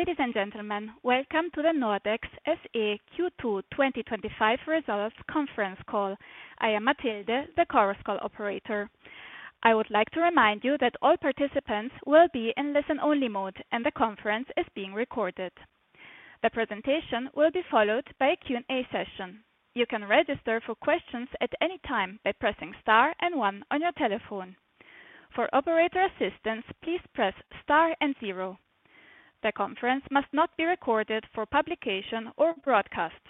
Ladies and gentlemen, welcome to the Nordex SE Q2 2025 Results Conference Call. I am Mathilde, the Chorus Call operator. I would like to remind you that all participants will be in listen-only mode and the conference is being recorded. The presentation will be followed by a Q&A session. You can register for questions at any time by pressing N1 on your telephone. For operator assistance, please press star and zero. The conference must not be recorded for publication or broadcast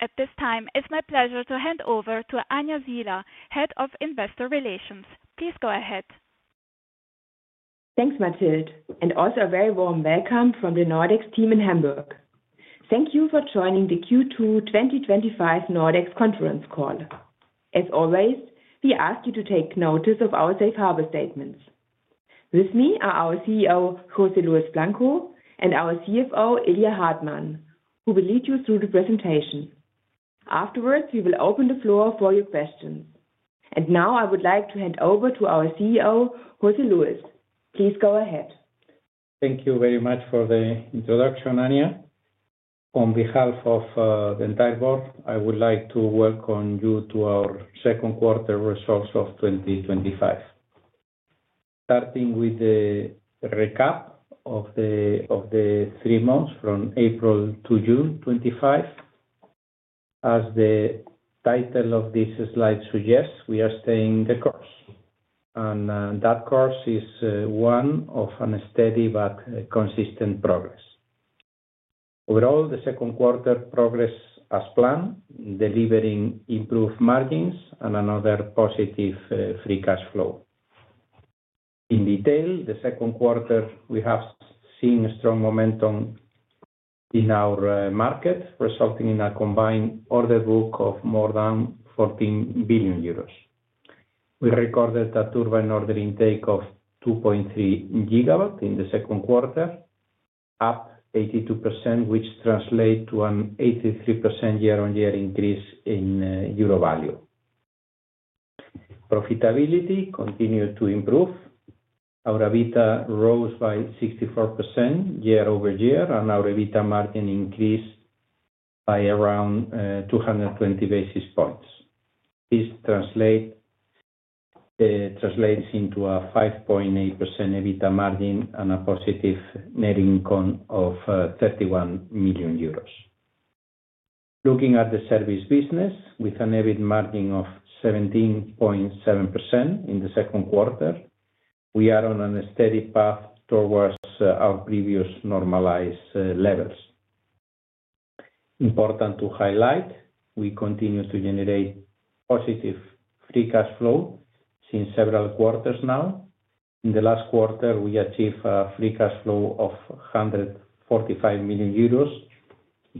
at this time. It's my pleasure to hand over to Anja Siehler, Head of Investor Relations. Please go ahead. Thanks, Mathilde. Also, a very warm welcome from the Nordex team in Hamburg. Thank you for joining the Q2 2025 Nordex Conference Call. As always, we ask you to take notice of our safe harbor statements. With me are our CEO José Luis Blanco and our CFO Ilya Hartmann, who will lead you through the presentation. Afterwards, we will open the floor for your questions. Now I would like to hand over to our CEO José Luis. Please go ahead. Thank you very much for the introduction. Anja, on behalf of the entire board, I would like to welcome you to our second quarter results of 2025, starting with the recap of the three months from April to June 25th. As the title of this slide suggests, we are staying the course and that course is one of a steady but consistent progress. Overall, the second quarter progressed as planned, delivering improved margins and another positive free cash flow. In detail, the second quarter we have seen strong momentum in our market resulting in a combined order book of more than 14 billion euros. We recorded a turbine order intake of 2.3 GW in the second quarter, up 82%, which translates to an 83% year-on-year increase in euro value. Profitability continued to improve. Our EBITDA rose by 64% year-over-year and our EBITDA margin increased by around 220 basis points. This translates into a 5.8% EBITDA margin and a positive net income of 31 million euros. Looking at the service business, with an EBIT margin of 17.7% in the second quarter, we are on a steady path towards our previous normalized levels. Important to highlight, we continue to generate positive free cash flow since several quarters now. In the last quarter, we achieved a free cash flow of 145 million euros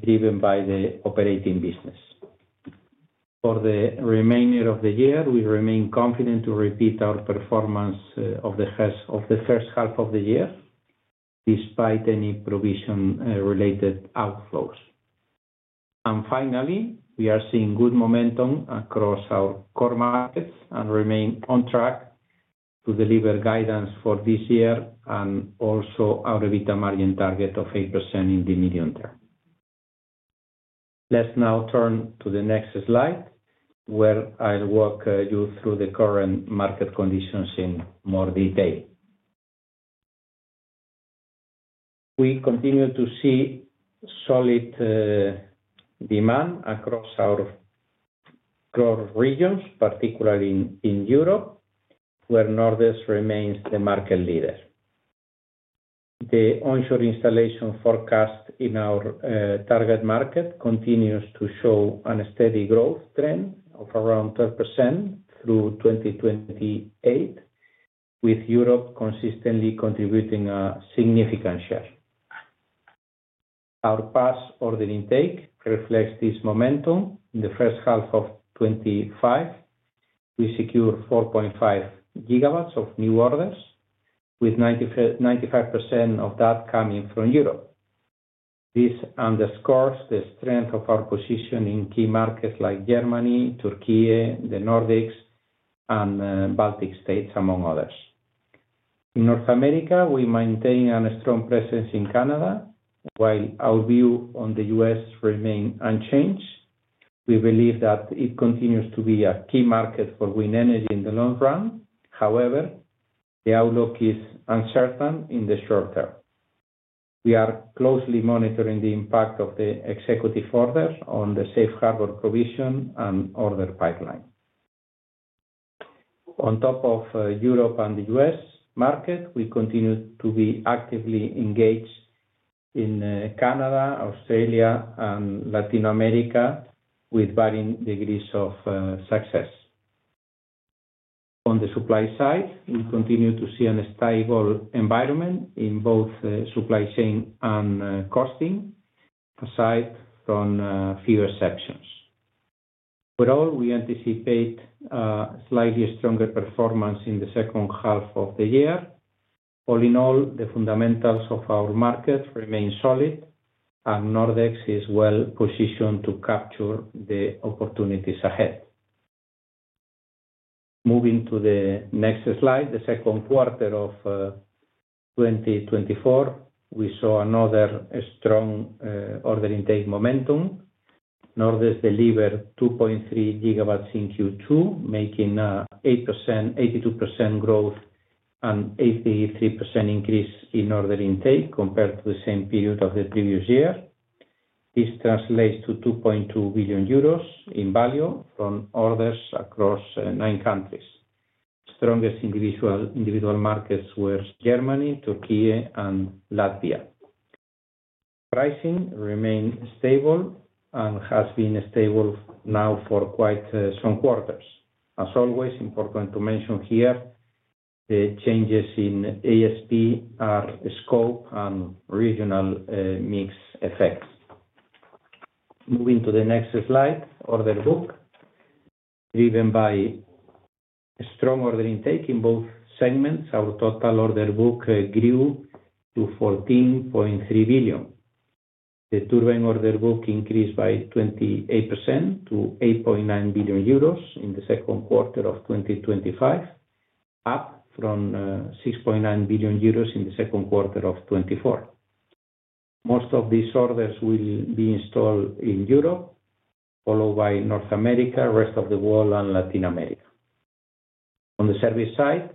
driven by the operating business. For the remainder of the year, we remain confident to repeat our performance over the course of the first half of the year despite any provision-related outflows. Finally, we are seeing good momentum across our core markets and remain on track to deliver guidance for this year and also our EBITDA margin target of 8% in the medium term. Let's now turn to the next slide where I walk you through the current market conditions in more detail. We continue to see solid demand across our growth regions, particularly in Europe where Nordex SE remains the market leader. The onshore installation forecast in our target market continues to show a steady growth trend of around 12% through 2028, with Europe consistently contributing a significant share. Our past order intake reflects this momentum. In first half of 2025, we secured 4.5 GW of new orders, with 95% of that coming from Europe. This underscores the strength of our position in key markets like Germany, Turkey, the Nordics, and Baltic States, among others. In North America, we maintain a strong presence in Canada, while our view on the U.S. remains unchanged. We believe that it continues to be a key market for wind energy in the long run. However, the outlook is uncertain. In the short term, we are closely monitoring the impact of the executive orders on the Safe Harbor provision and order pipeline. On top of Europe and the U.S. market, we continue to be actively engaged in Canada, Australia, and Latin America with varying degrees of success. On the supply side, we continue to see a stable environment in both supply chain and costing. Aside from a few exceptions, we anticipate slightly stronger performance in the second half of the year. All in all, the fundamentals of our market remain solid and Nordex is well positioned to capture the opportunities ahead. Moving to the next slide, in the second quarter of 2024 we saw another strong order intake momentum. Nordex delivered 2.3 GW in Q2, making 82% growth and 83% increase in order intake compared to the same period of the previous year. This translates to 2.2 billion euros in value from orders across nine countries. Strongest individual markets were Germany, Turkey, and Latvia. Pricing remains stable and has been stable now for quite some quarters. As always, important to mention here, the changes in ASP are scope and regional mix effects. Moving to the next slide, order book driven by strong order intake in both segments, our total order book grew to 14.3 billion. The turbine order book increased by 28% to 8.9 billion euros in 2Q2025, up from 6.9 billion euros in second quarter of 2024. Most of these orders will be installed in Europe, followed by North America, Rest of the World, and Latin America. On the service side,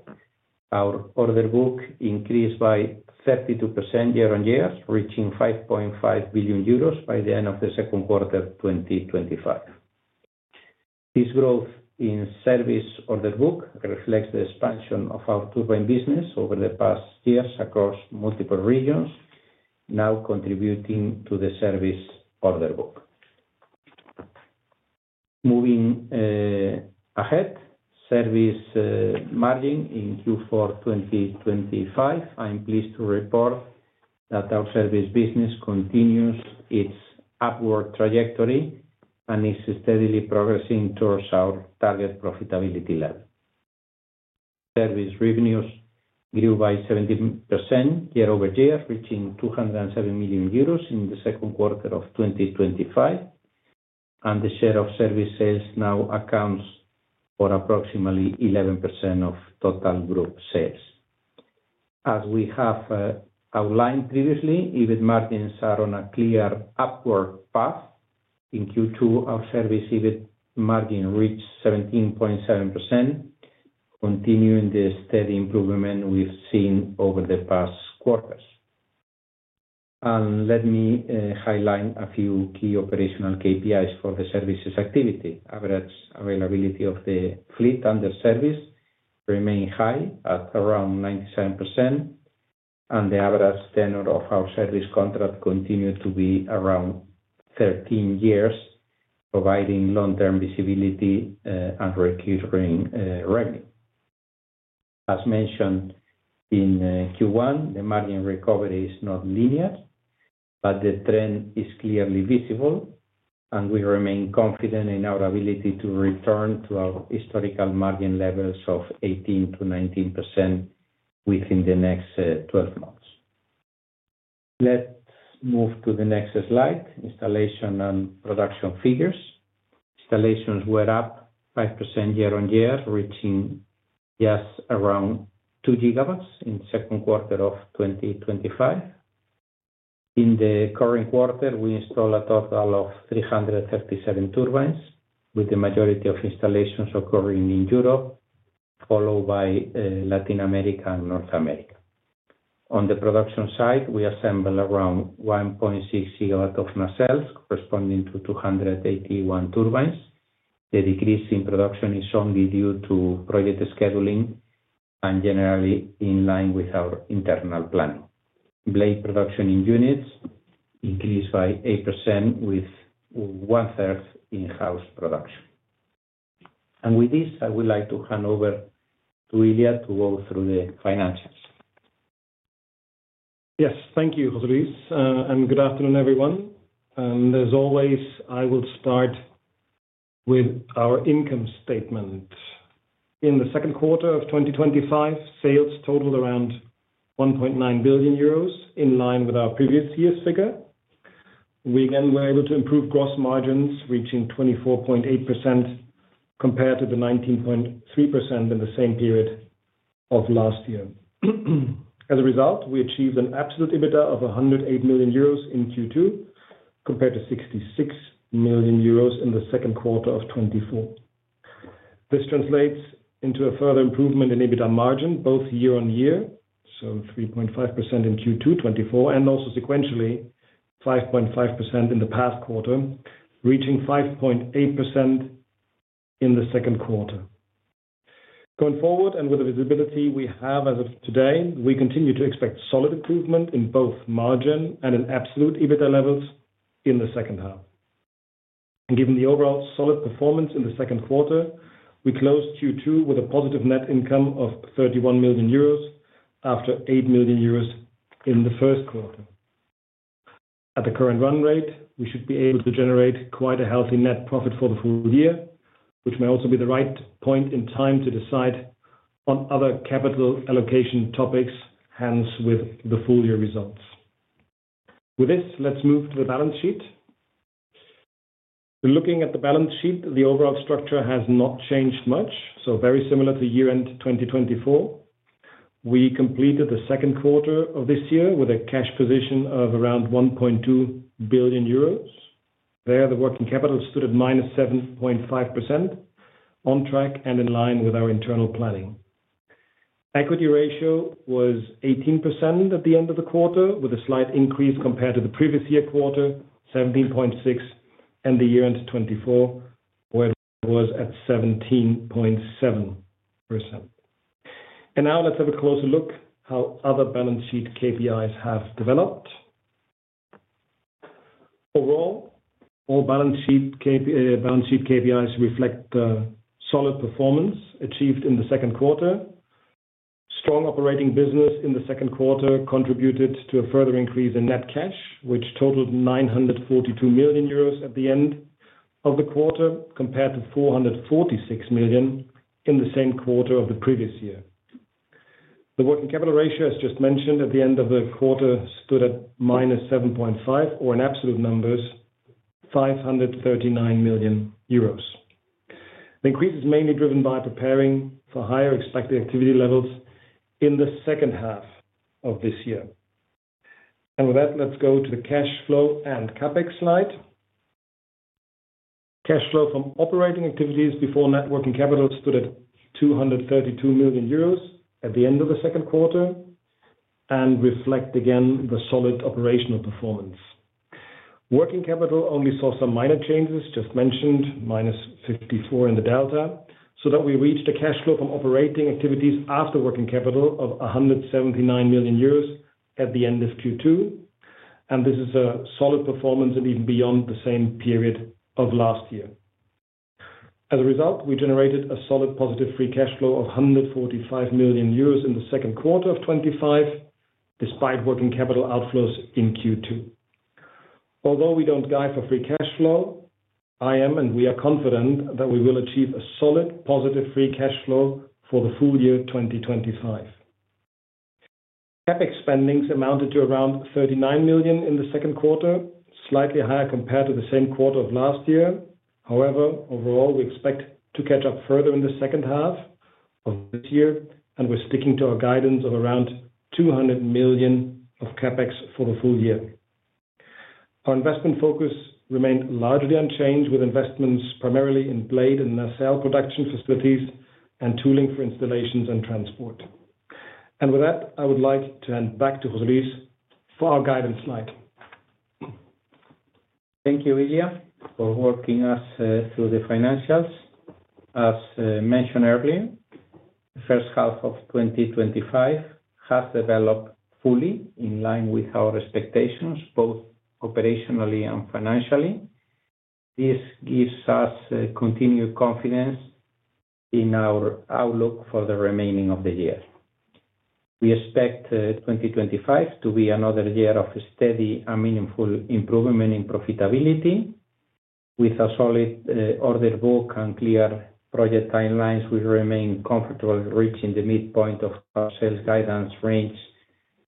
our order book increased by 32% year-on-year, reaching 5.5 billion euros by the end of the second quarter 2025. This growth in service order book reflects the expansion of our turbine business over the past years across multiple regions now contributing to the service order book. Moving ahead, service margin in Q4 2025, I'm pleased to report that our service business continues its upward trajectory and is steadily progressing towards our target profitability level. Service revenues grew by 70% year-over-year, reaching 207 million euros in the second quarter of 2025, and the share of service sales now accounts for approximately 11% of total group sales. As we have outlined previously, EBIT margins are on a clear upward path. In Q2 our service EBIT margin reached 17.7%, continuing the steady improvement we've seen over the past quarters. Let me highlight a few key operational KPIs for the service operations activity. Average availability of the fleet under service remained high at around 97%, and the average tenure of our service contract continues to be around 13 years, providing long-term visibility and recurring revenue. As mentioned in Q1, the margin recovery is not linear, but the trend is clearly visible, and we remain confident in our ability to return to our historical margin levels of 18%-19% within the next 12 months. Let's move to the next slide. Installation and production figures: installations were up 5% year-on-year, reaching just around 2 GW in the second quarter of 2025. In the current quarter, we installed a total of 337 wind turbines, with the majority of installations occurring in Europe, followed by Latin America and North America. On the production side, we assembled around 1.6 GW of nacelles, corresponding to 281 turbines. The decrease in production is only due to project scheduling and is generally in line with our internal planning. Blade production in units increased by 8%, with 1/3 in-house production. With this, I would like to hand over to Ilya to go through the financials. Yes, thank you, Jose Luis, and good afternoon, everyone. As always, I will start with our income statement. In the second quarter of 2025, sales totaled around 1.9 billion euros, in line with our previous year's figure. We again were able to improve gross margins, reaching 24.8% compared to 19.3% in the same period of last year. As a result, we achieved an absolute EBITDA of 108 million euros in Q2 compared to 66 million euros in Q2 2024. This translates into a further improvement in EBITDA margin both year-on-year, so 3.5% in Q2 2024 and also sequentially 5.5% in the past quarter, reaching 5.8% in the second quarter. Going forward, and with the visibility we have as of today, we continue to expect solid improvement in both margin and in absolute EBITDA levels in the second half. Given the overall solid performance in the second quarter, we closed Q2 with a positive net income of 31 million euros after 8 million euros in the first quarter. At the current run rate, we should be able to generate quite a healthy net profit for the full year, which may also be the right point in time to decide on other capital allocation topics. Hence, with the full year results, with this, let's move to the balance sheet. Looking at the balance sheet, the overall structure has not changed much, so very similar to year end 2024. We completed the second quarter of this year with a cash position of around 1.2 billion euros. There, the working capital stood at -7.5%, on track and in line with our internal planning. Equity ratio was 18% at the end of the quarter, with a slight increase compared to the previous year quarter, 17.6%, and the year end 2024, where it was at 17.7%. Now let's have a closer look at how other balance sheet KPIs have developed. Overall, all balance sheet KPIs reflect solid performance achieved in the second quarter. Strong operating business in the second quarter contributed to a further increase in net cash, which totaled 942 million euros at the end of the quarter compared to 446 million in the same quarter of the previous year. The working capital ratio, as just mentioned, at the end of the quarter stood at -7.5% or in absolute numbers, 539 million euros. The increase is mainly driven by preparing for higher expected activity levels in the second half of this year. With that, let's go to the cash flow and CapEx slide. Cash flow from operating activities before net working capital stood at 232 million euros at the end of the second quarter and reflect again the solid operational performance. Working capital only saw some minor changes just mentioned, -54 million in the delta, so that we reached a cash flow from operating activities after working capital of 179 million euros at the end of Q2, and this is a solid performance and even beyond the same period of last year. As a result, we generated a solid positive free cash flow of 145 million euros in Q2 2025 despite working capital outflows in Q2. Although we don't guide for free cash flow, I am and we are confident that we will achieve a solid positive free cash flow for the full year 2025. CapEx spendings amounted to around 39 million in the second quarter, slightly higher compared to the same quarter of last year. However, overall we expect to catch up further in the second half of this year and we're sticking to our guidance of around 200 million of CapEx for the full year. Our investment focus remained largely unchanged with investments primarily in blade and nacelle production facilities and tooling for installations and transport. With that I would like to hand back to José Luis for our guidance slide. Thank you, Ilya, for working us through the financials. As mentioned earlier, the first half of 2025 has developed fully in line with our expectations both operationally and financially. This gives us continued confidence in our outlook for the remainder of the year. We expect 2025 to be another year of steady and meaningful improvement in profitability. With a solid order book and clear project timelines, we remain comfortable reaching the midpoint of our sales guidance range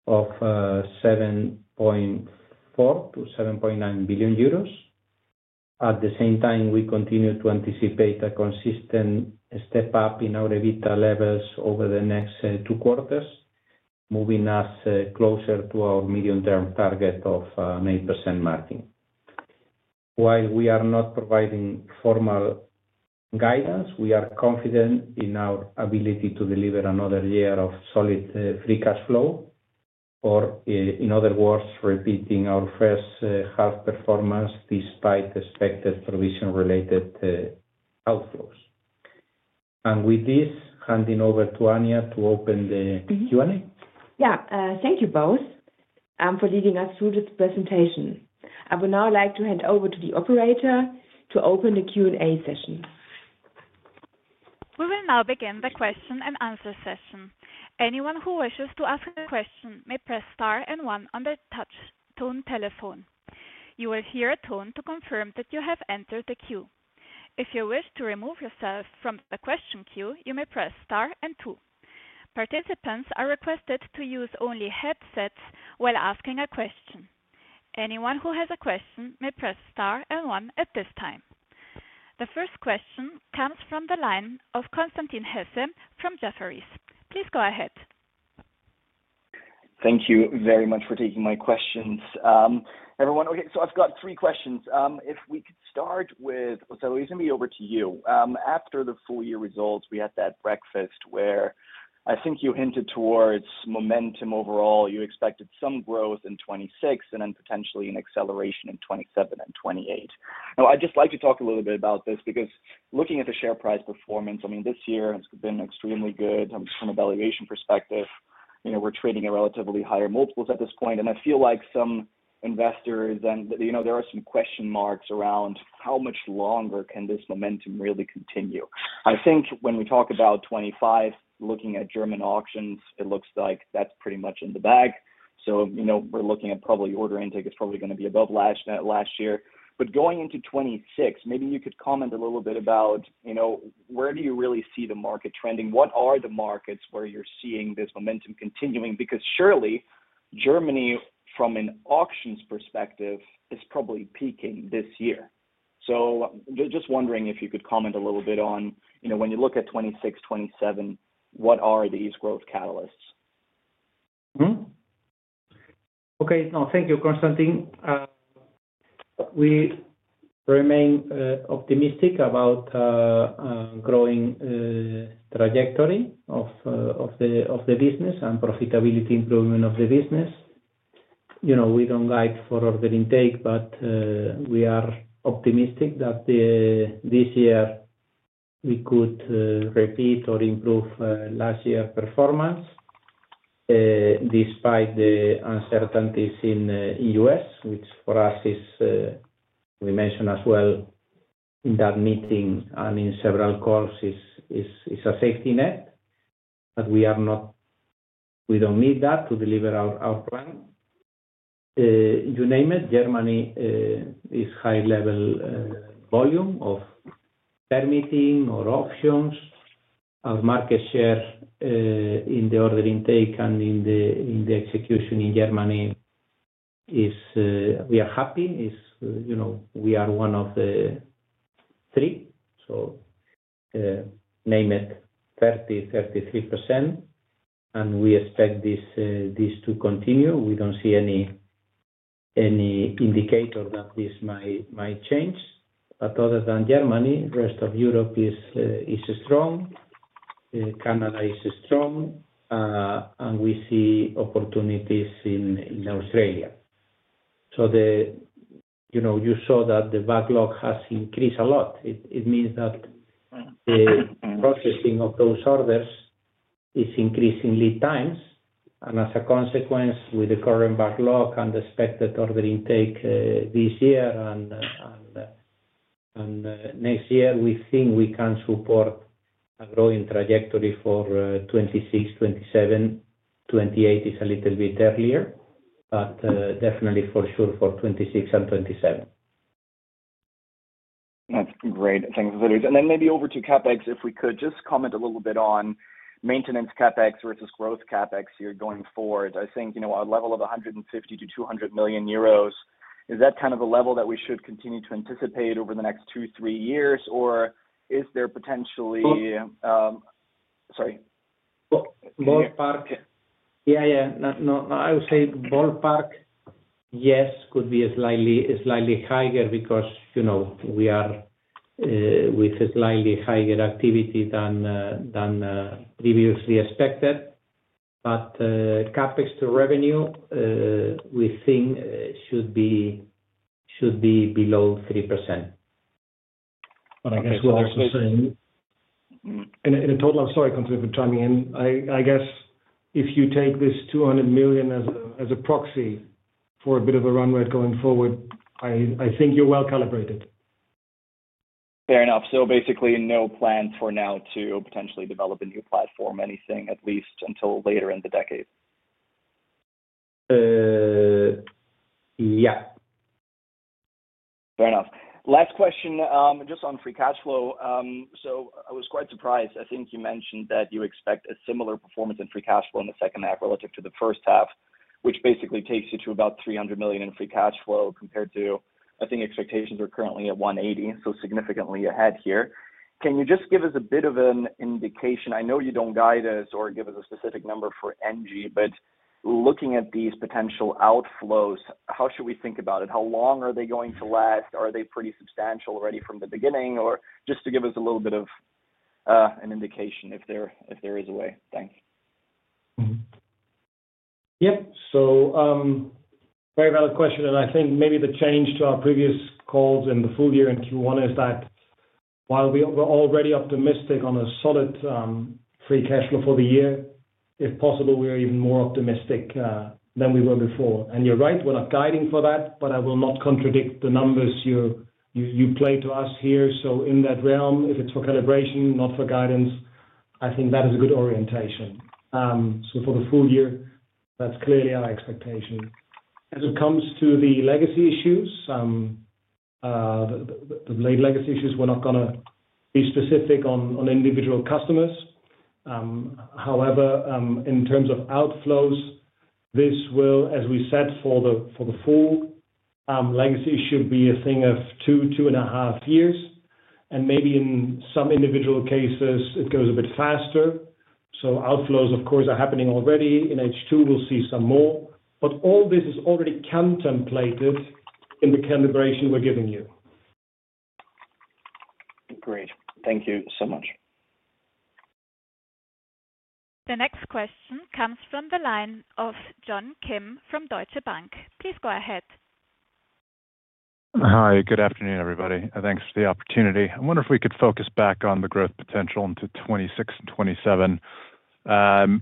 of 7.4-7.9 billion euros. At the same time, we continue to anticipate a consistent step up in our EBITDA levels over the next two quarters, moving us closer to our medium-term target of 9%. While we are not providing formal guidance, we are confident in our ability to deliver another year of solid free cash flow, or in other words, repeating our first half performance despite expected provision-related outflows. With this, handing over to Anja to open the Q&A. Thank you both for leading us through this presentation. I would now like to hand over to the operator to open the Q&A session. We will now begin the question and answer session. Anyone who wishes to ask a question may press star and 1 on the touch tone telephone. You will hear a tone to confirm that you have entered the queue. If you wish to remove yourself from the question queue, you may press star and 2. Participants are requested to use only headsets while asking a question. Anyone who has a question may press star and 1 at this time. The first question comes from the line of Constantin Hesse from Jefferies. Please go ahead. Thank you very much for taking my questions everyone. I've got three questions. If we could start with Osselo, it's going to be over to you after the full year results. We had that breakfast where I think you hinted towards momentum. Overall you expected some growth in 2026 and then potentially an acceleration in 2027 and 2028. Now I'd just like to talk a little bit about this because looking at the share price performance, I mean this year has been extremely good from a valuation perspective. We're trading at relatively higher multiples at this point and I feel like some investors and there are some question marks around how much longer can this momentum really continue? I think when we talk about 2025 looking at German auctions it looks like that's pretty much in the bag. You know we're looking at probably order intake is probably going to be above last year but going into 2026, maybe you could comment a little bit about, you know, where do you really see the market trending? What are the markets where you're seeing this momentum continuing? Surely Germany from an auctions perspective is probably peaking this year. Just wondering if you could comment a little bit on, you know, when you look at 2026, 2027, what are these growth catalysts? No, thank you, Constantin. We remain optimistic about growing trajectory of the business and profitability improvement of the business. You know, we don't guide for the intake but we are optimistic that this year we could repeat or improve last year performance despite the uncertainties in the U.S., which for us, as we mentioned as well in that meeting and in several calls, is a safety net, but we don't need that to deliver our outcome. You name it, Germany is high level volume of permitting or options. Our market share in the order intake and in the execution in Germany is, we are happy, is, you know, we are one of the three, so name it 30%, 33% and we expect this to continue. We don't see any indicator that this might change. Other than Germany, rest of Europe is strong, Canada is strong and we see opportunities in Australia. You saw that the backlog has increased a lot. It means that the processing of those orders is increasingly times and as a consequence, with the current backlog and expected order intake this year and next year, we think we can support a growing trajectory for 2026, 2027, 2028 is a little bit earlier, but definitely for sure for 2026 and 2027. That's great, thanks. Maybe over to CapEx, if we could just comment a little bit on maintenance CapEx versus growth CapEx here going forward. I think you know, a level of 150-200 million euros, is that kind of a level that we should continue to anticipate over the next two, three years or is there potentially. Sorry? Ballpark? Yeah, yeah. No, I would say ballpark, yes. Could be slightly higher because you know we are with a slightly higher activity than previously expected. CapEx to revenue, we think should be below 3%. I guess if you take this $200 million as a proxy for a bit of a run rate going forward, I think you're well calibrated. Fair enough. So basically no plans for now to potentially develop a new platform, anything, at least until later in the decade. Yeah. Fair enough. Last question, just on free cash flow, I was quite surprised, I think you mentioned that you expect a similar performance in free cash flow in the second half relative to the first half, which basically takes you to about 300 million in free cash flow compared to, I think expectations are currently at 180 million. Significantly ahead here. Can you just give us a bit of an indication? I know you don't guide us or give us a specific number for Nordex SE, but looking at these potential outflows, how should we think about it? How long are they going to last? Are they pretty substantial already from the beginning, or just to give us a little bit of an indication if there is a way. Thanks. Yep. Very valid question and I think maybe the change to our previous calls in the full year and Q1 is that while we're already optimistic on a solid free cash flow for the year, if possible, we are even more optimistic than we were before. You're right, we're not guiding for that. I will not contradict the numbers you play to us here. In that realm, if it's for calibration, not for guidance, I think that is a good orientation. For the full year, that's clearly our expectation as it comes to the legacy issues. The legacy issues, we're not going to be specific on individual customers. However, in terms of outflows, this will, as we said for the full legacy issue, be a thing of two, two and a half years and maybe in some individual cases it goes a bit faster. Outflows of course are happening already in H2. We'll see some more. All this is already contemplated in the calibration we're giving you. Great, thank you so much. The next question comes from the line of John Kim from Deutsche Bank. Please go ahead. Hi, good afternoon everybody. Thanks for the opportunity. I wonder if we could focus back on the growth potential into 2026 and 2027,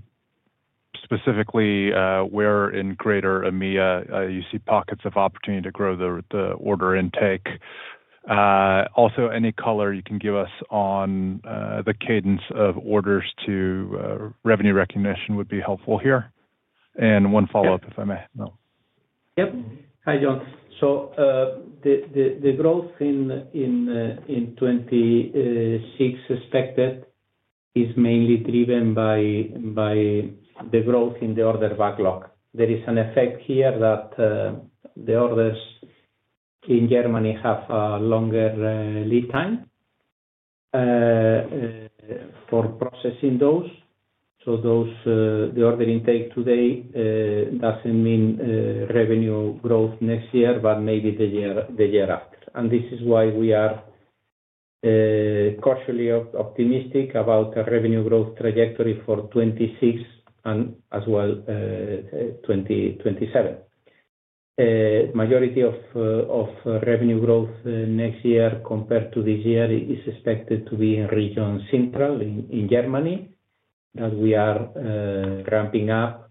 specifically where in greater EMEA you see pockets of opportunity to grow the order intake. Also, any color you can give us on the cadence of orders to revenue recognition would be helpful here. One follow up, if I may. Yep. Hi John. The growth in 2026 expected is mainly driven by the growth in the order backlog. There is an effect here that the orders in Germany have a longer lead time for processing those. The order intake today doesn't mean revenue growth next year, but maybe the year after. This is why we are cautiously optimistic about the revenue growth trajectory for 2026 and as well 2027. The majority of revenue growth next year compared to this year is expected to be in region central, in Germany, that we are ramping up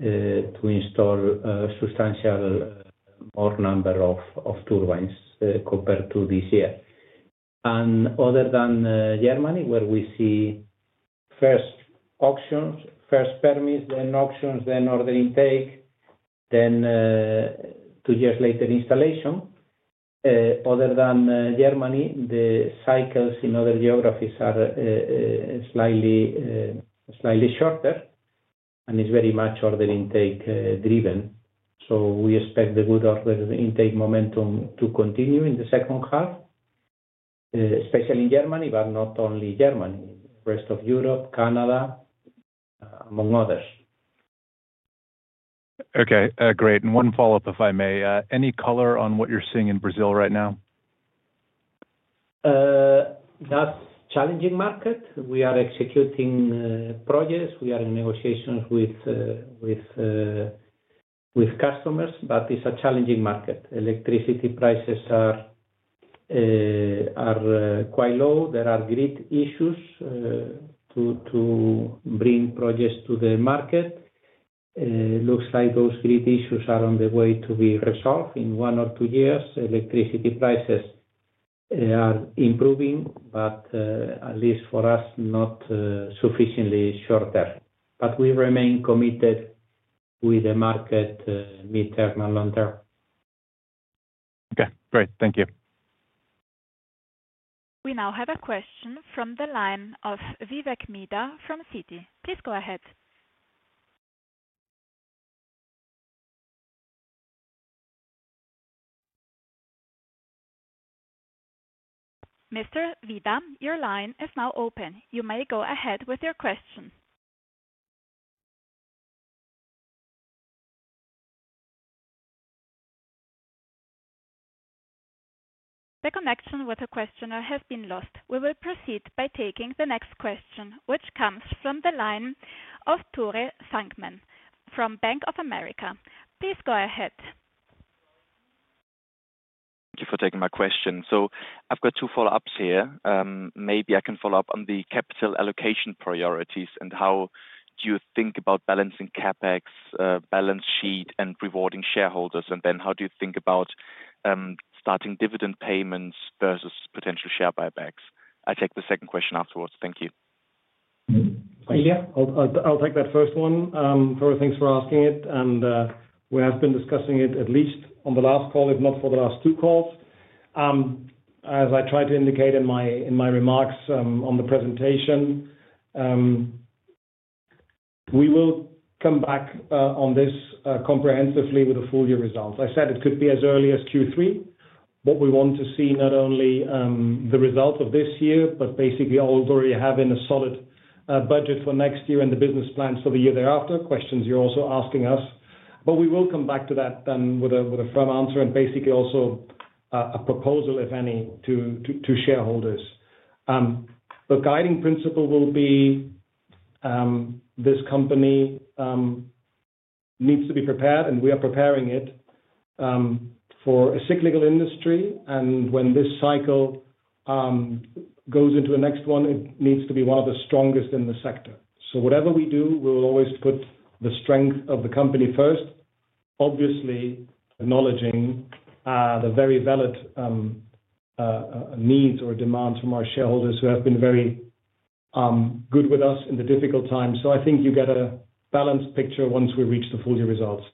to install substantial more number of turbines compared to this year. Other than Germany, where we see first auctions, first permits, then auctions, then order intake, then two years later installation, the cycles in other geographies are slightly, slightly shorter and is very much order intake driven. We expect the good order intake momentum to continue in the second half, especially in Germany, but not only Germany, rest of Europe, Canada, among others. Okay, great. One follow up if I may. Any color on what you're seeing in Brazil right now? That's a challenging market. We are executing projects, we are in negotiations with customers, but it's a challenging market. Electricity prices are quite low. There are grid issues to bring projects to the market. It looks like those grid issues are on the way to be resolved in one or two years. Electricity prices are improving, but at least for us, not sufficiently shorter. We remain committed with the market mid term and long term. Okay, great. Thank you. We now have a question from the line of Vivek Midha from Citi. Please go ahead. Mr. Midha, your line is now open. You may go ahead with your question. The connection with the questioner has been lost. We will proceed by taking the next question which comes from the line of Tore Fangmann from Bank of America. Please go ahead. Thank you for taking my question. I've got two follow-ups here. Maybe I can follow up on the capital allocation priorities. How do you think about balancing? In CapEx, balance sheet and rewarding shareholders? How do you think about. Starting dividend payments versus potential share buybacks? I take the second question afterwards. Thank you. I'll take that first one. Thanks for asking it. We have been discussing it at least on the last call, if not for the last two calls, as I tried to indicate in my remarks on the presentation. We will come back on this comprehensively with the full year results. I said it could be as early as Q3. We want to see not only the result of this year but basically already having a solid budget for next year and the business plans for the year thereafter. These are questions you're also asking us, but we will come back to that then with a firm answer and basically also a proposal, if any, to shareholders. The guiding principle will be this company needs to be prepared and we are preparing it for a cyclical industry. When this cycle goes into the next one, it needs to be one of the strongest in the sector. Whatever we do, we will always put the strength of the company first, obviously acknowledging the very valid needs or demands from our shareholders who have been very good with us in the difficult times. I think you get a balanced picture once we reach the full year results.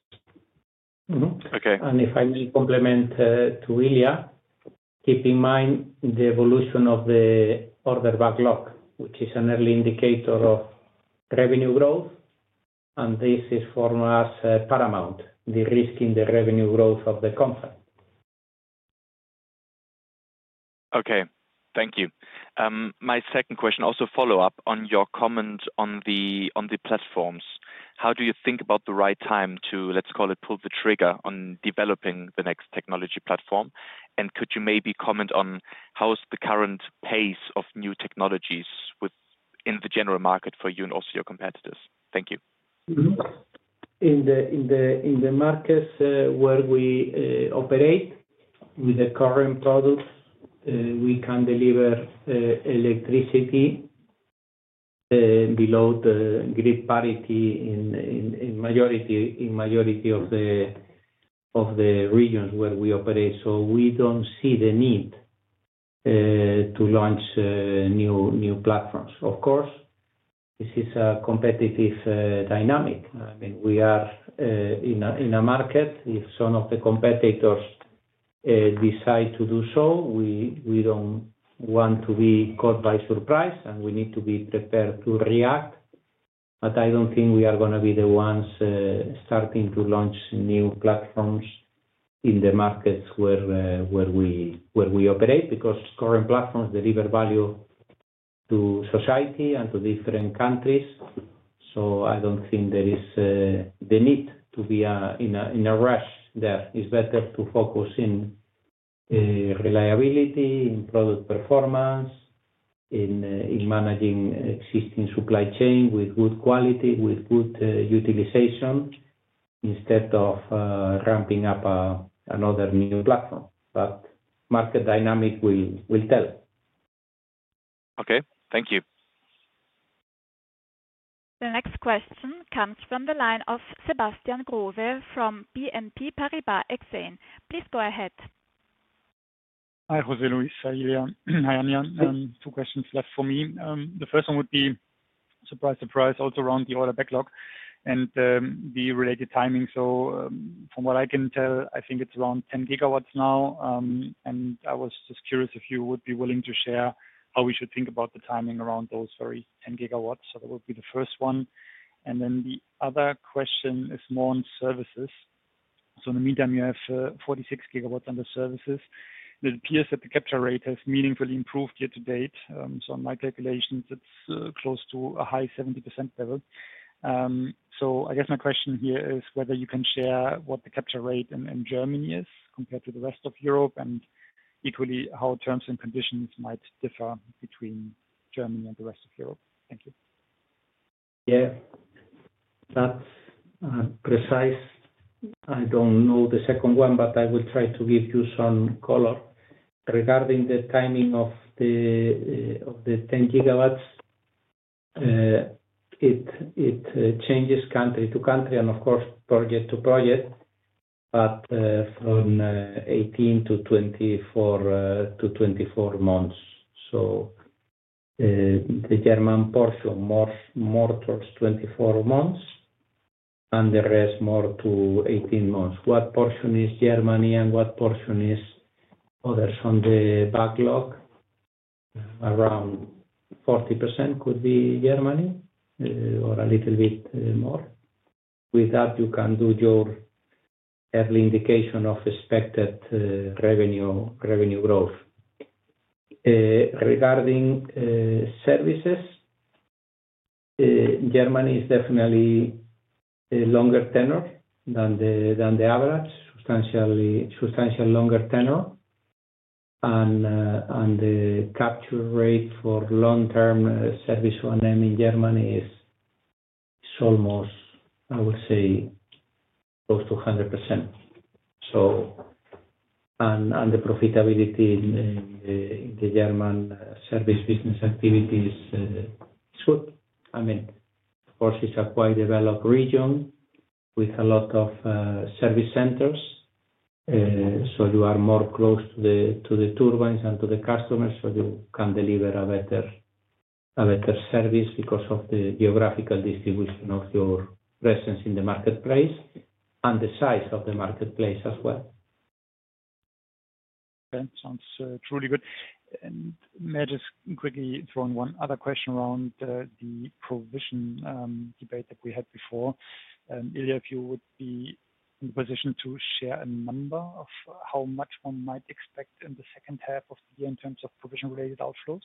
Okay. If I may, compliment to Ilya, keep in mind the evolution of the order backlog, which is an early indicator of revenue growth. This is for us paramount, the risk in the revenue growth of the contract. Okay, thank you. My second question also follow up on your comment on the platforms, how do you think about the right time to, let's call it, pull the trigger on developing the next technology platform? Could you maybe comment on how is the current pace of new technologies in the general market for you and also your competitors? Thank you. In the markets where we operate with the current products, we can deliver electricity below the grid parity in majority of the regions where we operate. We don't see the need to launch new platforms. Of course, this is a competitive dynamic. I mean, we are in a market if some of the competitors decide to do so. We don't want to be caught by surprise and we need to be prepared to react. I don't think we are going to be the ones starting to launch new platforms in the markets where we operate because current platforms deliver value to society and to different countries. I don't think there is the need to be in a rush there. It's better to focus in reliability, in product performance, in managing existing supply chain with good quality, with good utilization instead of ramping up another new platform. Market dynamic will tell. Okay, thank you. The next question comes from the line of Sebastian Growe from Exane BNP Paribas. Please go ahead. Hi, José Luis. Hi, Anja. Two questions left for me. The first one would be, surprise, surprise, also around the order backlog and the related timing. From what I can tell, I think it's around 10 GW now. I was just curious if you would be willing to share how we should think about the timing around those very 10 GW. That would be the first one, and the other question is more on services. In the meantime, you have 46 GW under services. It appears that the capture rate has meaningfully improved year to date. In my calculations, it's close to a high 70% level. I guess my question here is whether you can share what the capture rate in Germany is compared to the rest of Europe, and equally how terms and conditions might differ between Germany and the rest of Europe. Thank you. Yeah, that's precise. I don't know the second one, but I will try to give you some color regarding the timing of the 10 GW. It changes country to country and of course project to project, but from 18-24 months to 24 months. The German portion more towards 24 months and the rest more to 18 months. What portion is Germany and what portion is others? On the backlog around 40% could be Germany or a little bit more. With that you can do your early indication of expected revenue growth regarding services. Germany is definitely a longer tenor than the average, substantial longer tenor. The capture rate for long term service 1M in Germany is, is almost, I would say close to 100%. The profitability in the German service business activities is good. I mean, of course it's a quite developed region with a lot of service centers. You are more close to the turbines and to the customers. You can deliver a better, a better service because of the geographical distribution of your presence in the marketplace and the size of the marketplace as well. That sounds truly good. May I just quickly throw in one other question around the provision debate that we had before? Ilya, if you would be in position to share a number of how much one might expect in the second half in terms of provision related outflows.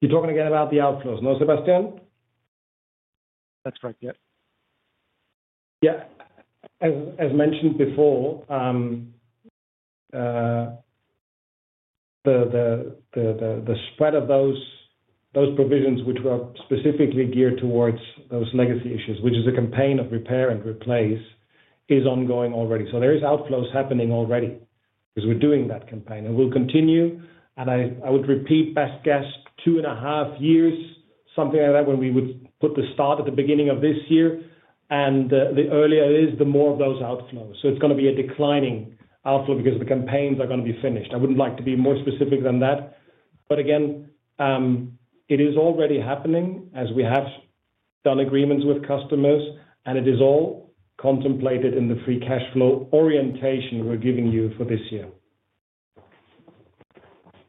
You're talking again about the outflows? No, Sebastian? That's correct. Yeah. As mentioned before, the spread of those provisions which were specifically geared towards those legacy issues, which is a campaign of repair and replace, is ongoing already. There are outflows happening already because we're doing that campaign and we'll continue. I would repeat, best guess, two and a half years, something like that, when we would put the start at the beginning of this year, and the earlier it is, the more of those outflows. It is going to be a declining outflow because the campaigns are going to be finished. I wouldn't like to be more specific than that, but again, it is already happening as we have done agreements with customers, and it is all contemplated in the free cash flow orientation we're giving you for this year.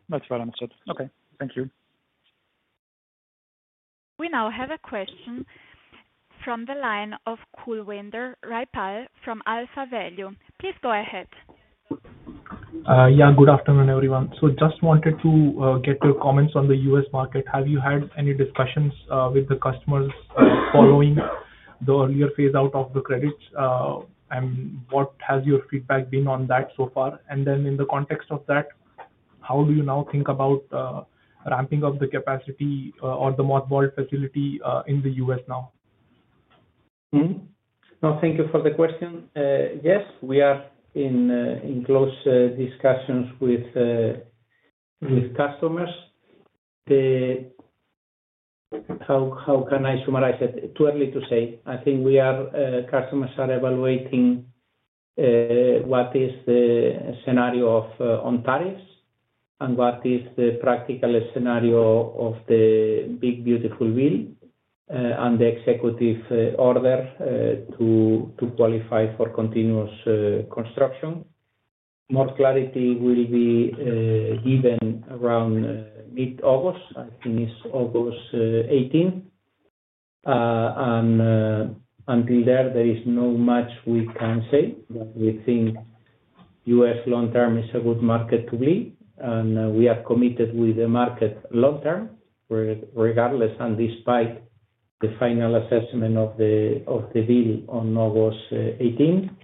That's well answered. Okay, thank you. We now have a question from the line of Kulwinder Rajpal from AlphaValue. Please go ahead. Good afternoon everyone. I just wanted to get your comments on the U.S. market. Have you had any discussions with the customers following the earlier phase out? The credits and what has your feedback been on that so far? In the context of that, How do you now think about ramping up the capacity or the mothball facility in the U.S. now? Thank you for the question. Yes, we are in close discussions with customers. How can I summarize it? Too early to say. I think we are. Customers are evaluating what is the scenario on tariffs and what is the practical scenario of the big beautiful wheel and the executive order to qualify for continuous construction. More clarity will be given around mid-August. I think it's August 18, and until then there is not much we can say. We think U.S. long term is a good market to be in and we are committed with the market long term regardless, and despite the final assessment of the bill on August 18.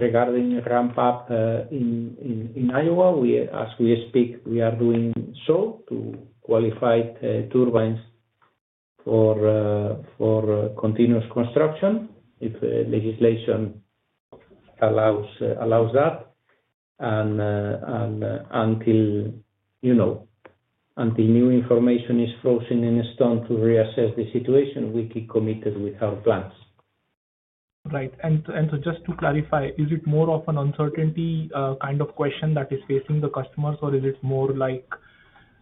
Regarding ramp up in Iowa, as we speak, we are doing so to qualify turbines for continuous construction if legislation allows that. Until new information is frozen in stone to reassess the situation, we keep committed with our plans. Right. Just to clarify, is it more of an uncertainty kind of question that is facing the customers or is it more like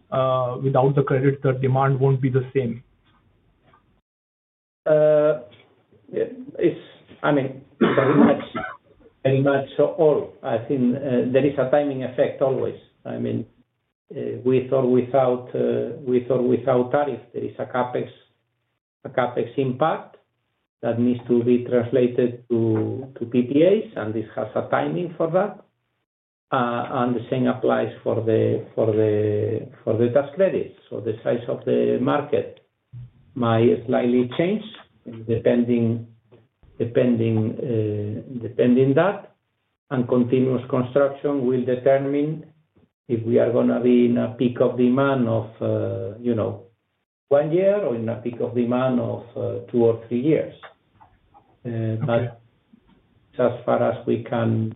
without the credit the demand won't be the same? Very much so. I think there is a timing effect always. With or without tariff there is a CapEx impact that needs to be translated to PPAs. This has a timing for that and the same applies for the tax credits. The size of the market might slightly change depending on that. Continuous construction will determine if we are going to be in a peak of demand of one year or in a peak of demand of two or three years as far as we can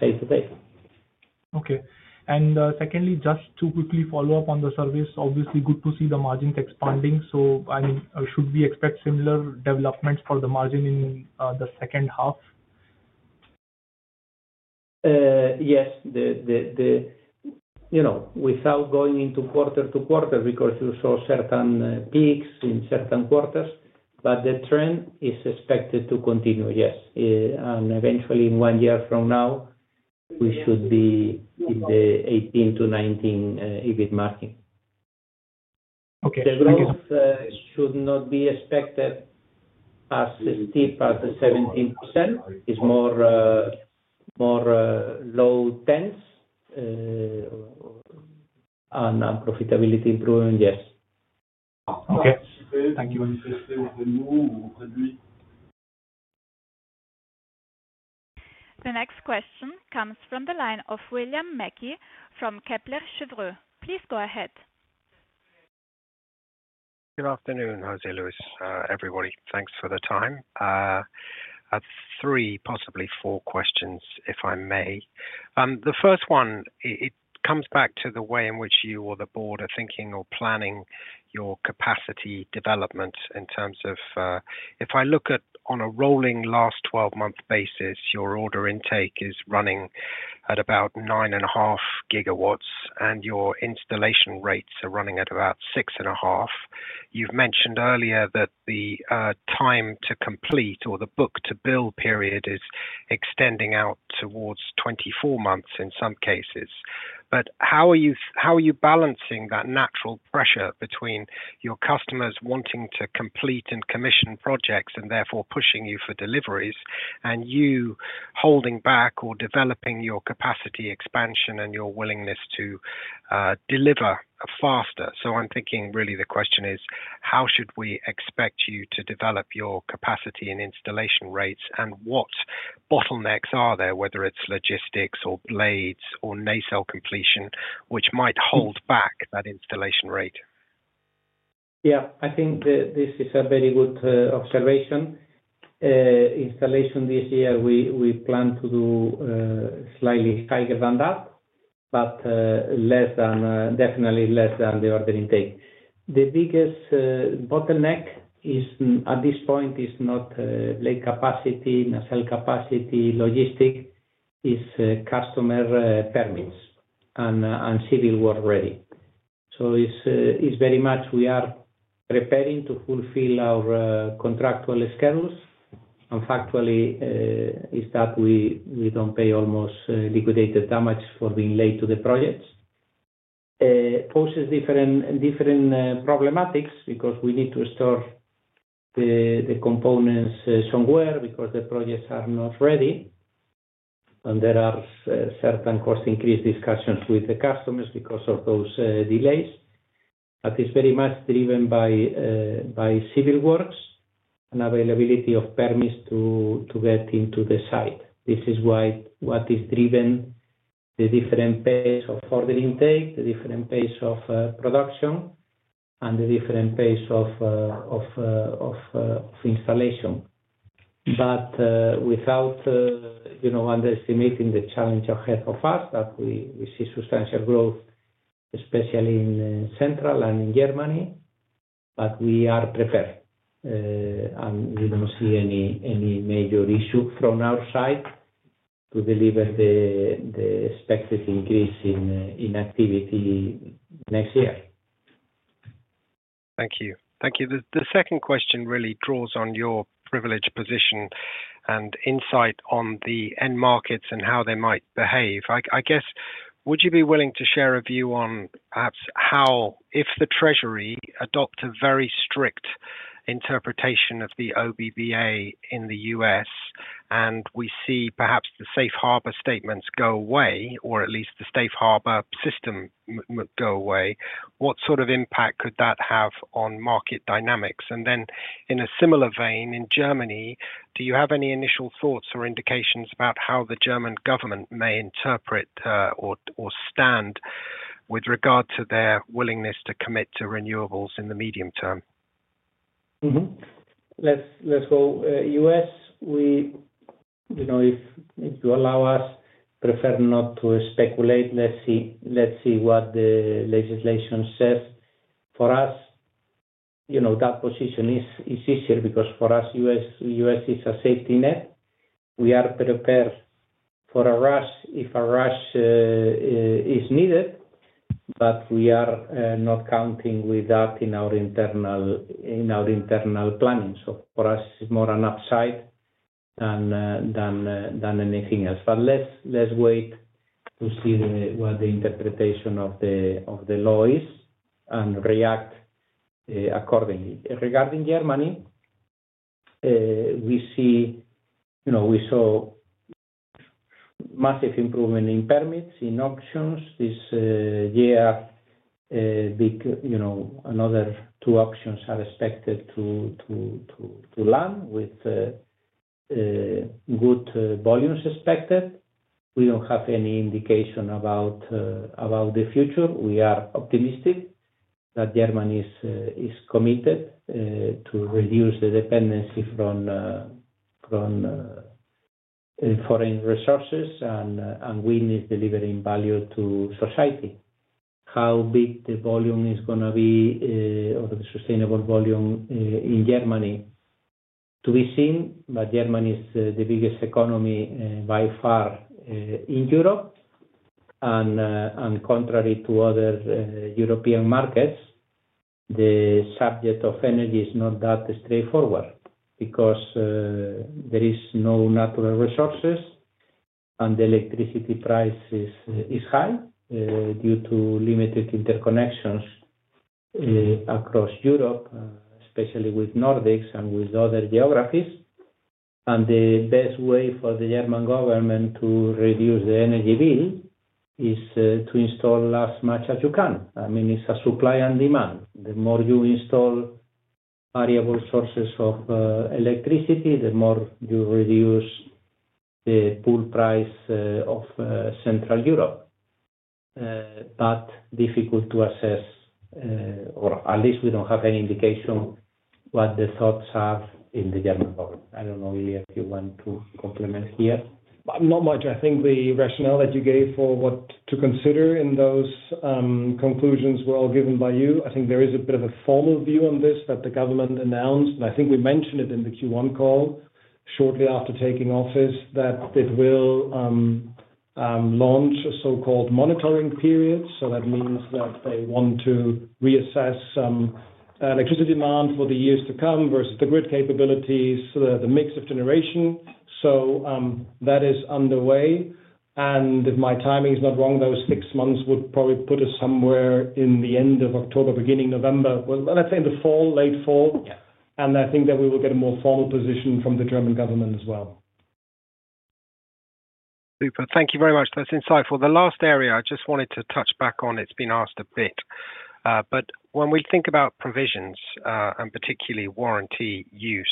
say today. Okay. Secondly, just to quickly follow up on the service, obviously good to see the margins expanding. Should we expect similar developments for the margin in the second half? Yes, you know, without going into quarter to quarter because you saw certain peaks in certain quarters, but the trend is expected to continue. Yes, eventually in one year from now we should be in the 18%-19% EBIT market. The growth should not be expected as steep as the 17%. It is more low tens and profitability improvement, yes. Okay, thank you. The next question comes from the line of William Mackey from Kepler Cheuvreux. Please go ahead. Good afternoon, José Luis, everybody. Thanks for the time. Three, possibly four questions, if I may. The first one, it comes back to the way in which you or the board are thinking or planning your capacity development in terms of. If I look at on a rolling last 12 month basis, your order intake is running at about 9.5 GW and your installation rates are running at about 6.5 GW. You've mentioned earlier that the time to complete or the book to bill period is extending out towards 24 months in some cases. How are you balancing that natural pressure between your customers wanting to complete and commission projects and therefore pushing you for deliveries and you holding back or developing your capacity expansion and your willingness to deliver faster? I'm thinking really the question is how should we expect you to develop your capacity and installation rates and what bottlenecks are there? Whether it's logistics or blades or nacelle completion which might hold back rate? Yeah, I think this is a very good observation. Installation this year we plan to do slightly higher than that, but definitely less than the order intake. The biggest bottleneck at this point is not blade capacity, nacelle capacity, or logistics; it is customer permits and civil work readiness. It is very much that we are preparing to fulfill our contractual schedules, and factually we do not pay almost any liquidated damages for being late to the projects. This poses different problematics because we need to store the components somewhere since the projects are not ready, and there are certain cost increase discussions with the customers because of those delays. It is very much driven by civil works and availability of permits to get into the site. This is what is driving the different pace of order intake, the different pace of production, and the different pace of installation. Without underestimating the challenge ahead of us, we see substantial growth, especially in Central Europe and in Germany, but we are prepared and we do not see any major issue from our side to deliver the expected increase in activity next year. Thank you. Thank you. The second question really draws on your privileged position and insight on the end markets and how they might behave, I guess. Would you be willing to share a view on perhaps how if the Treasury adopt a very strict interpretation of the OBBA in the U.S. and we see perhaps the safe harbor statements go away, or at least the safe harbor system go away, what sort of impact could that have on market dynamics? In a similar vein in Germany, do you have any initial thoughts or indications about how the German government may interpret or stand with regard to their willingness to commit to renewables in the medium term. Let's go, if you allow us, prefer not to speculate. Let's see what the legislation says. For us, you know, that position is easier because for us, U.S. is a safety net. We are prepared for a rush if a rush is needed, but we are not counting with that in our internal planning. For us it's more an upside than anything else. Let's wait to see what the interpretation of the law is and react accordingly. Regarding Germany, we see, you know, we saw massive improvement in permits in auctions this year. Another two auctions are expected to land with good volumes expected. We don't have any indication about the future. We are optimistic that Germany is committed to reduce the dependency from foreign resources and we need delivering value to society. How big the volume is going to be or the sustainable volume in Germany is to be seen. Germany is the biggest economy by far in Europe. Contrary to other European markets, the subject of energy is not that straightforward because there are no natural resources and the electricity price is high due to limited interconnections across Europe, especially with Nordics and with other geographies. The best way for the German government to reduce the energy bill is to install as much as you can. I mean, it's a supply and demand. The more you install variable sources of electricity, the more you reduce the pool price of central Europe. Difficult to assess or at least we don't have any indication what the thoughts are in the German government. I don't know, Ilya, if you want to complement here? Not much. I think the rationale that you gave for what to consider in those conclusions were all given by you. I think there is a bit of a formal view on this that the government announced, and I think we mentioned it in the Q1 call shortly after taking office, that it will launch a so-called monitoring period means that they want to reassess electricity demand for the years to come versus the grid capabilities and the mix of generation. That is underway. If my timing is not wrong, those six months would probably put us somewhere at the end of October or beginning of November, let's say in the fall, late fall. I think that we will get a more formal position from the German government as well. Super, thank you very much. That's insightful. The last area I just wanted to touch back on, it's been asked a bit, but when we think about provisions and particularly warranty use,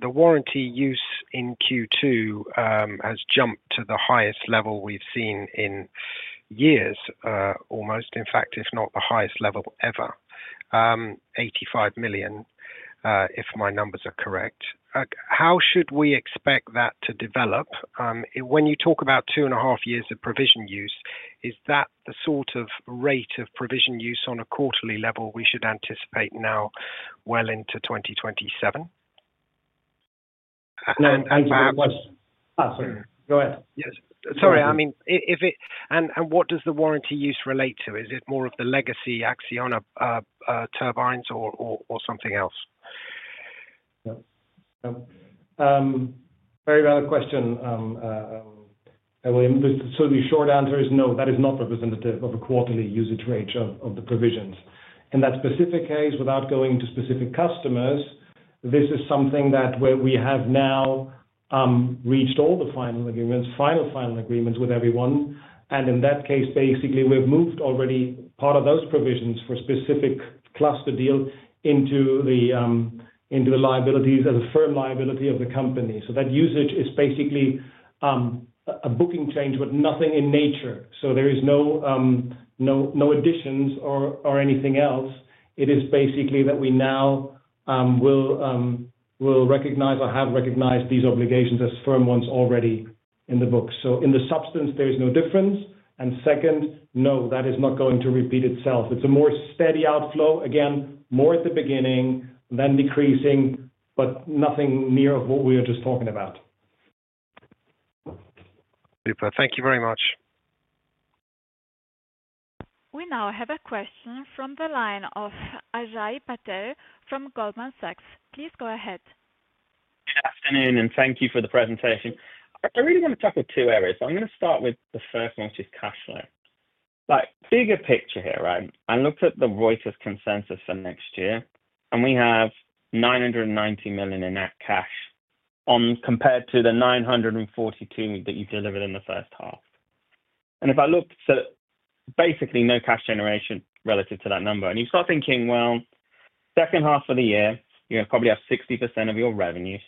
the warranty use in Q2 has jumped to the highest level we've seen in years, almost in fact, if not the highest level ever. $85 million if my numbers are correct. How should we expect that to, when you talk about two and a half years of provision use, is that the sort of rate of provision use on a quarterly level we should anticipate now well into 2027? Go ahead. Sorry. I mean, what does the warranty use relate to? Is it more of the legacy Acciona turbines or something else? Very valid question. The short answer is no, that is not representative of a quarterly usage range of the provisions in that specific case without going to specific customers. This is something where we have now reached all the final agreements, final, final agreements with everyone. In that case, basically we've moved already part of those provisions for specific cluster deal into the liabilities as a firm liability of the company. That usage is basically a booking change, but nothing in nature. There are no additions or anything else. It is basically that we now will recognize or have recognized these obligations as firm ones already in the book. In substance, there is no difference. Second, no, that is not going to repeat itself. It is a more steady outflow, again, more at the beginning than decreasing, but nothing near what we were just talking about. Thank you very much. We now have a question from the line of Ajay Patel from Goldman Sachs. Please go ahead. Good afternoon and thank you for the presentation. I really want to tackle two areas. I'm going to start with the first, not just cash flow like bigger picture here, right? I looked at the Reuters consensus for next year and we have 990 million in net cash compared to the 942 million that you delivered in the first half. If I look, Basically, no cash generation relative to that number, and you start thinking, second half of the year you probably have 60% of your revenues.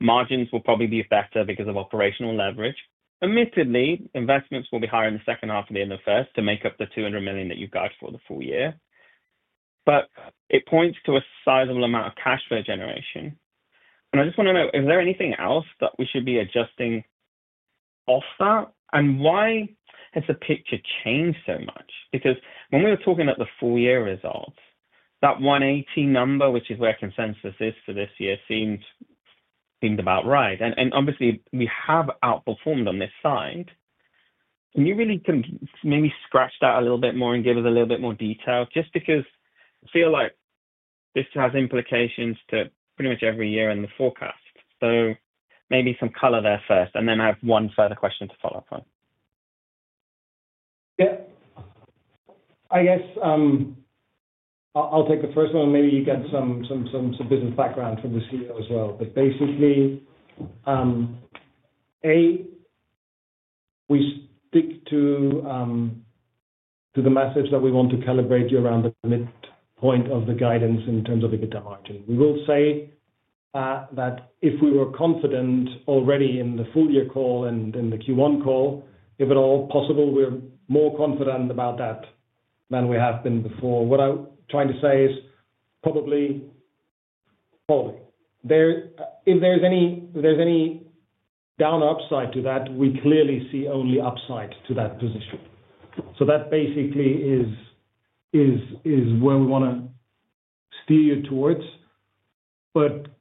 Margins will probably be better because of operational leverage. Admittedly, investments will be higher in the second half of the year, first to make up the $200 million that you've guided for the full year. It points to a sizable amount of cash flow generation. I just want to know, is there anything else that we should be adjusting off that, and why has the picture changed so much? When we were talking at the full year results, that 180 million number, which is where consensus is for this year, seemed about right. Obviously, we have outperformed on this side. Can you maybe scratch that a little bit more and give us a little bit more detail, just because I feel like this has implications to pretty much every year in the forecast. Maybe some color there first. I have one further question to follow up on. I guess I'll take the first one. Maybe you get some business background from the CEO as well. Basically, we stick to the message that we want to calibrate you around the midpoint of the guidance in terms of EBITDA margin. We will say that if we were confident already in the full year call and in the Q1 call, if at all possible, we're more confident about that than we have been before. What I'm trying to say is probably there if there's any downside to that, we clearly see only upside to that position. That basically is where we want to steer you towards.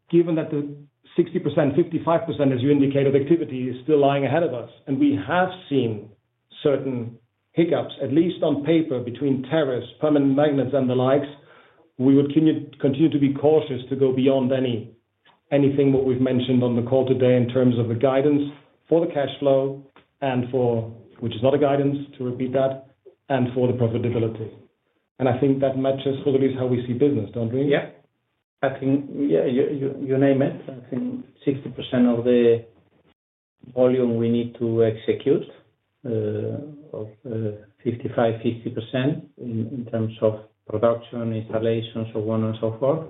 Given that the 60%, 55% as you indicate of activity is still lying ahead of us and we have seen certain hiccups at least on paper, between tariffs, permanent magnets and the likes, we would continue to be cautious to go beyond anything we've mentioned on the call today in terms of the guidance for the cash flow, which is not a guidance to repeat that, and for the profitability. I think that matches at least how we see business, don't we? Yeah, I think you name it. I think 60% of the volume we need to execute, 55%, 50% in terms of production, installation, so on and so forth.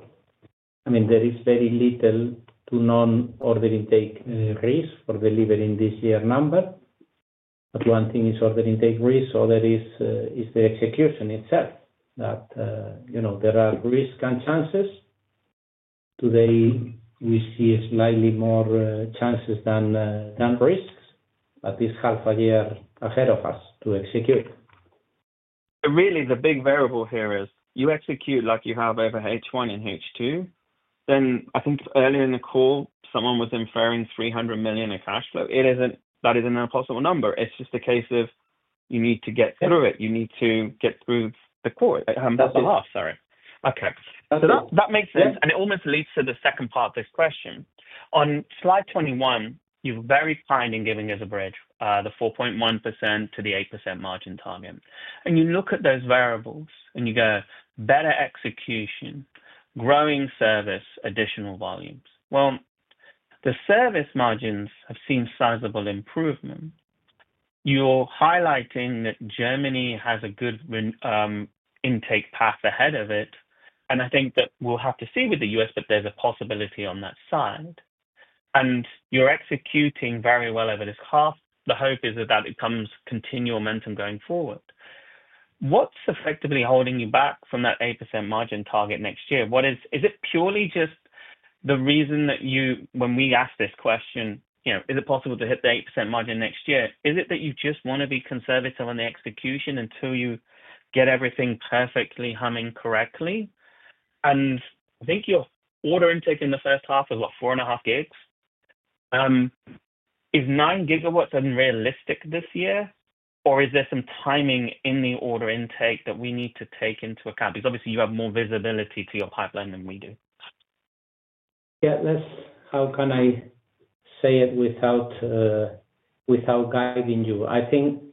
I mean there is very little to no order intake risk for delivering this year number, but one thing is order intake risk. There is the execution itself that you know there are risks and chances. Today we see slightly more chances than risks, at least half a year ahead of us to execute. Really the big variable here is you execute like you have over H1 and H2. I think earlier in the call someone was inferring $300 million of cash flow. It isn't that is an impossible number. It's just a case of you need to get through it, you need to get through the court. That's the last, sorry. Okay, that makes sense. It almost leads to the second part question on slide 21. You're very kind in giving us a bridge, the 4.1% to the 8% margin target. You look at those variables and you go better execution, growing service, additional volumes. The service margins have seen sizable improvement. You're highlighting that Germany has a good intake path ahead of it, and I think that we'll have to see with the U.S., but there's a possibility on that side. You're executing very well over this half. The hope is that it comes continual momentum going forward. What's effectively holding you back from that 8% margin target next year? Is it purely just the reason that when we ask this question, is it possible to hit the 8% margin next year? Is it that you just want to be conservative on the execution until you get everything perfectly humming correctly? I think your order intake in the first half is what, four and a half gigs? Is 9 GW unrealistic this year? Or is there some timing in the order intake that we need to take into account? Obviously you have more visibility to your pipeline than we do. Yeah. How can I say it without guiding you? I think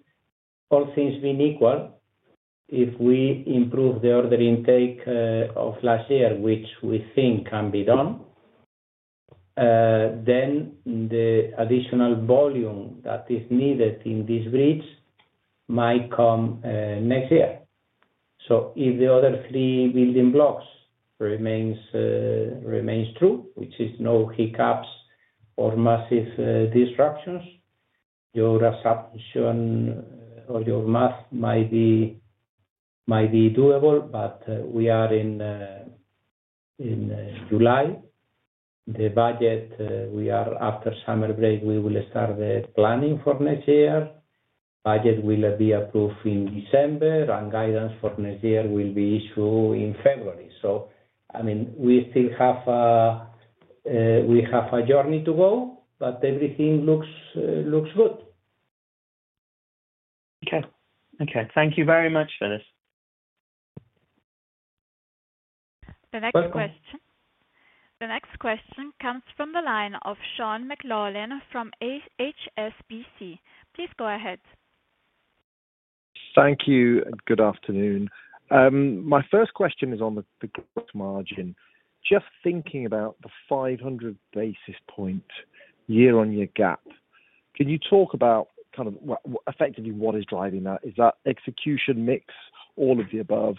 all things being equal, if we improve the order intake of last year, which we think can be done, then the additional volume that is needed in this bridge might come next year. If the other three building blocks remain true, which is no hiccups or massive disruptions, your assumption or your math might be doable. We are in July, the budget we are after summer break, we will start planning for next year. Budget will be approved in December and guidance for next year will be issued in February. I mean we still have a journey to go, but everything looks good. Okay. Thank you very much, fellas. The next question comes from the line of Sean McLoughlin from HSBC. Please go ahead. Thank you. Good afternoon. My first question is on the gross margin. Just thinking about the 500 basis points, year-on-year gap. Can you talk about effectively what is driving that? Is that execution, mix, all of the above,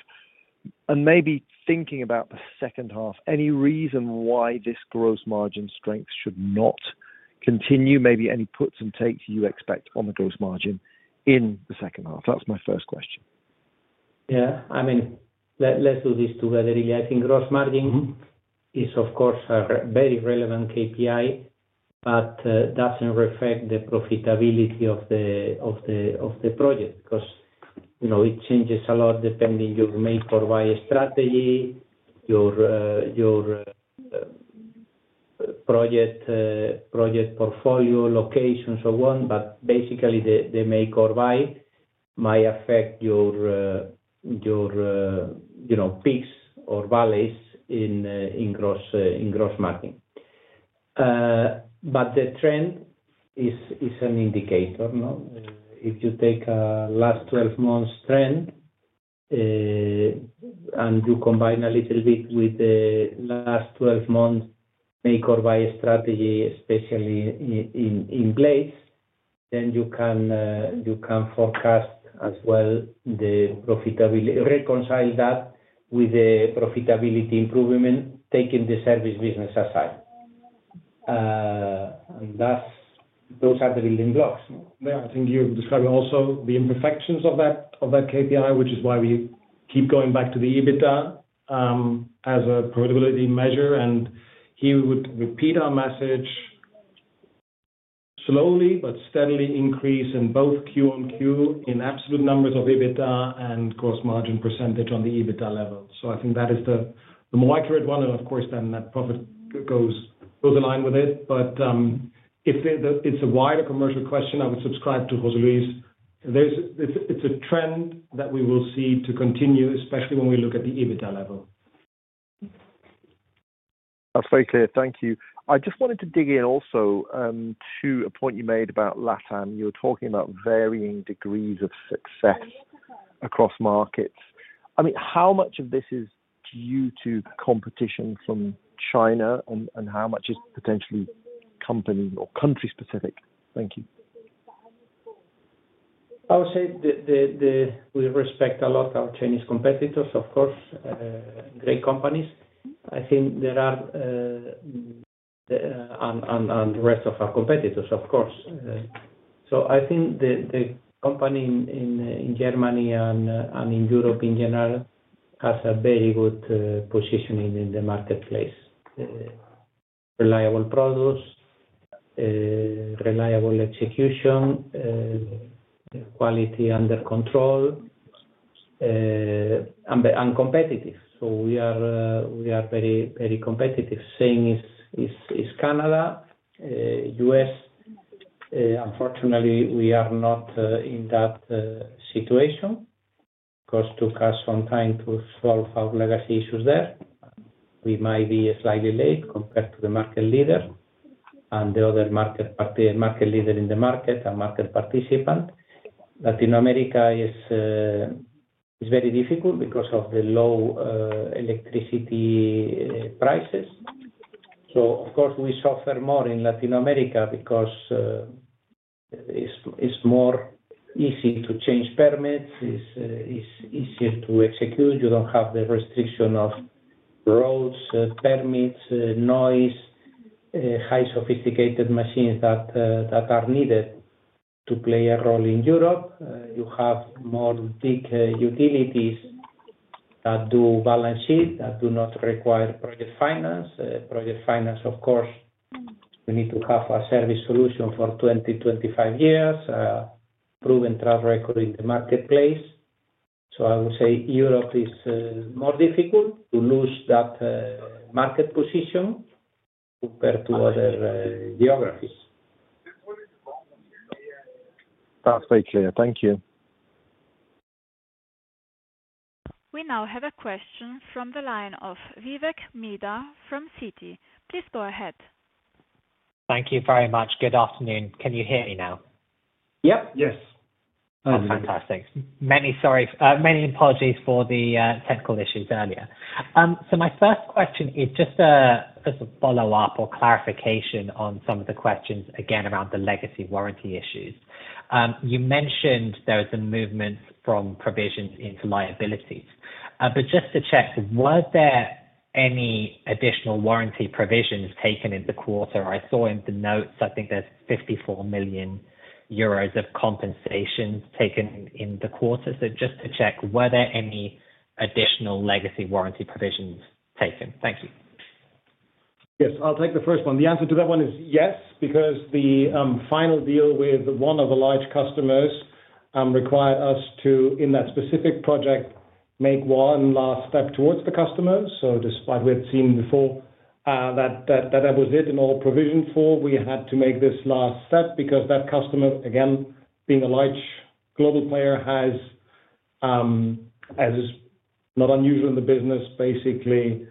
and maybe thinking about the second half, any reason why this gross margin strength should not continue? Maybe any puts and takes you expect on the gross margin in the second half. That's my first question. Yeah, I mean, let's do this together. I think gross margin is of course a very relevant KPI, but it doesn't reflect the profitability of the project because, you know, it changes a lot depending on your make or buy strategy, your project portfolio, location, and so on. Basically, the make or buy might affect your peaks or valleys in gross margin, but the trend is an indicator. If you take a last 12 months trend and you combine it a little bit with the last 12 months make or buy strategy, especially in blade, then you can forecast as well the profitability. Reconcile that with the profitability improvement. Taking the service business aside, those are the building blocks. I think you describe also the imperfections of that KPI, which is why we keep going back to the EBITDA as a portability measure. I would repeat our message: slowly but steadily increase in both QoQ in absolute numbers of EBITDA and gross margin percentage on the EBITDA level. I think that is the more accurate one. Of course, that profit goes in line with it. If it's a wider commercial question, I would subscribe to José Luis. It's a trend that we will see to continue, especially when we look at the EBITDA level. That's very clear. Thank you. I just wanted to dig in also to a point you made about Latin America. You're talking about varying degrees of success across markets. I mean, how much of this is due to competition from China and how much is potentially company or country specific? Thank you. I would say we respect a lot our Chinese competitors, of course, great companies. I think there are, and the rest of our competitors, of course. I think the company in Germany and in Europe in general has a very good positioning in the marketplace. Reliable products, reliable execution, quality under control. We are very, very competitive. In Canada and the U.S., unfortunately we are not in that situation because it took us some time to solve our legacy issues there. We might be slightly late compared to the market leader and the other market leader in the market, a market participant. Latin America is very difficult because of the low electricity prices. We suffer more in Latin America because it's more easy to change permits, it's easier to execute. You don't have the restriction of roads, permits, noise, high sophisticated machines that are needed to play a role. In Europe you have more big utilities that do balance sheet that do not require project finance. Project finance, of course, we need to have a service solution for 20, 25 years, proven track record in the marketplace. I would say Europe is more difficult to lose that market position compared to other geographies. Perfectly. Thank you. We now have a question from the line of Vivek Midha from Citigroup. Please go ahead. Thank you very much. Good afternoon, can you hear me now? Yes. Fantastic. Many apologies for the technical issues earlier. My first question is just for some follow up or clarification on some of the questions again around the legacy warranty issues. You mentioned there was a movement from provisions into liabilities. Just to check, was there any additional warranty provisions taken in the quarter? I saw in the notes, I think there's 54 million euros of compensation taken in the quarter. Just to check, were there any additional legacy warranty provisions taken. Thank you. Yes, I'll take the first one. The answer to that one is yes, because the final deal with one of the large customers required us to, in that specific project, make one last step towards the customer. Despite we had seen before that was it in all provision for, we had to make this last step because that customer, again being a large global player, has, as is not unusual in the business, basically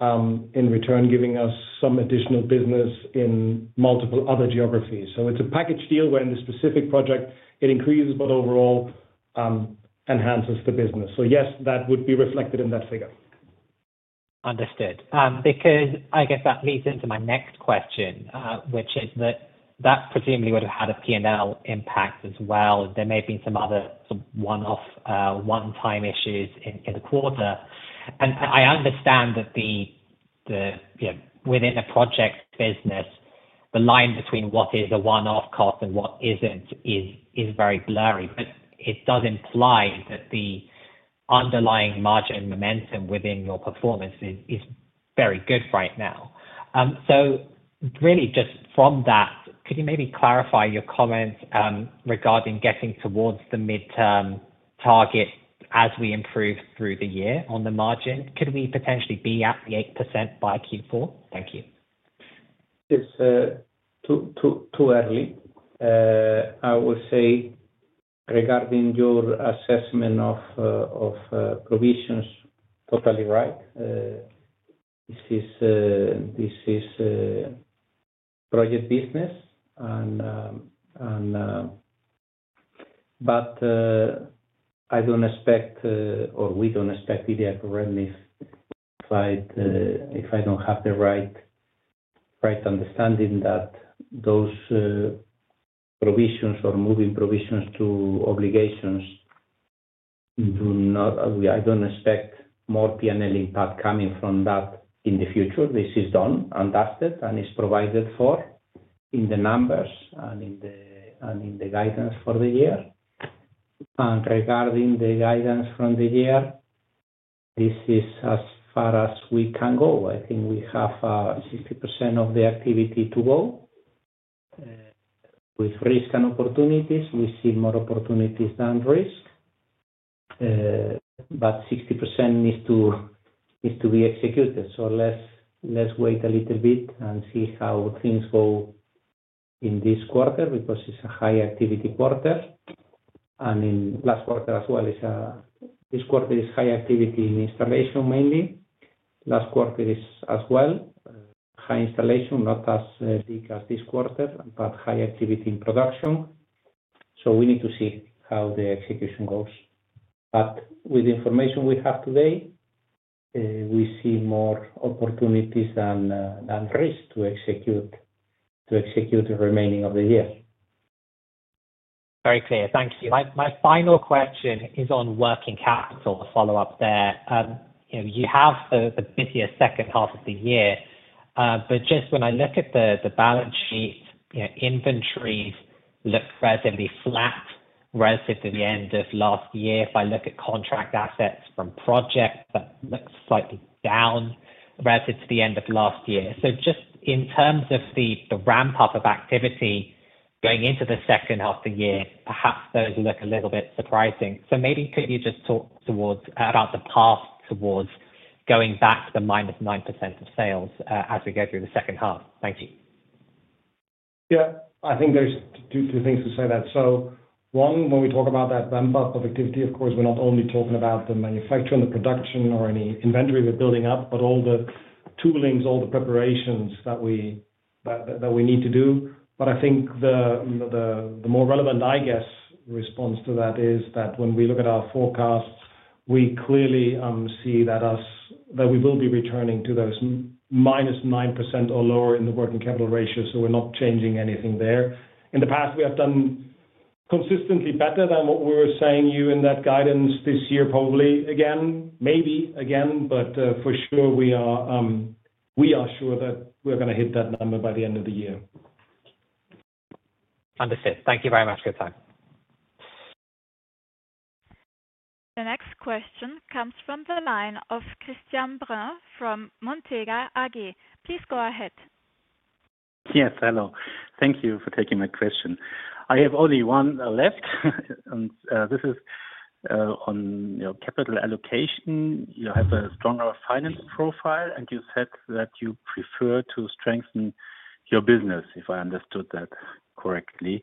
in return giving us some additional business in multiple other geographies. It's a package deal where, in this specific project, it increases but overall enhances the business. Yes, that would be reflected in that figure. Understood, because I guess that leads into my next question, which is that that presumably would have had a P&L impact as well. There may have been some other one-off, one-time issues in the quarter, and I understand that within a project business the line between what is a one-off cost and what isn't is very blurry. It does imply that the underlying margin momentum within your performance is very good right now. Really, just from that, could you maybe clarify your comments regarding getting towards the midterm target? As we improve through the year on the margin, could we potentially be at the 8% by Q4? Thank you. It's too early, I would say, regarding your assessment of provisions, totally right. This is project business, but I don't expect, or we don't expect, IDI correctness. If I don't have the right understanding that those provisions or moving provisions to obligations, I don't expect more P&L impact coming from that in the future. This is done and dusted and is provided for in the numbers and in the guidance for the year. Regarding the guidance for the year, this is as far as we can go. I think we have 60% of the activity to go with risk and opportunities. We see more opportunities than risk, but 60% needs to be executed. Let's wait a little bit and see how things go in this quarter because it's a high activity quarter, and last quarter as well. This quarter is high activity in installation mainly. Last quarter is as well, high installation, not as big as this quarter, but high activity in production. We need to see how the execution goes. With the information we have today, we see more opportunities than risk to execute the remaining of the year. Very clear. Thank you. My final question is on working capital. The follow-up there, you have the busiest second half of the year. When I look at the balance sheet, inventories look relatively flat relative to the end of last year. If I look at contract assets from project, that looks slightly down relative to the end of last year. In terms of the ramp up of activity going into the second half of the year, perhaps those look a little bit surprising. Maybe could you just talk towards the path towards going back to the -9% of sales as we go through the second half. Thank you. Yeah, I think there's two things to say to that. One, when we talk about that bump up of activity, of course we're not only talking about the manufacturing, the production, or any inventory we're building up, but all the toolings, all the preparations that we need to do. I think the more relevant, I guess, response to that is that when we look at our forecasts, we clearly see that we will be returning to those -9% or lower in the working capital ratio. We're not changing anything there. In the past, we have done consistently better than what we were saying in that guidance. This year, probably again, maybe again, but for sure we are sure that we're going to hit that number by the end of the year. Understood. Thank you very much for your time. The next question comes from the line of Christian Bruns from Montega AG. Please go ahead. Yes, hello. Thank you for taking my question. I have only one left. This is on your capital allocation. You have a stronger finance profile and you said that you prefer to strengthen your business if I understood that correctly.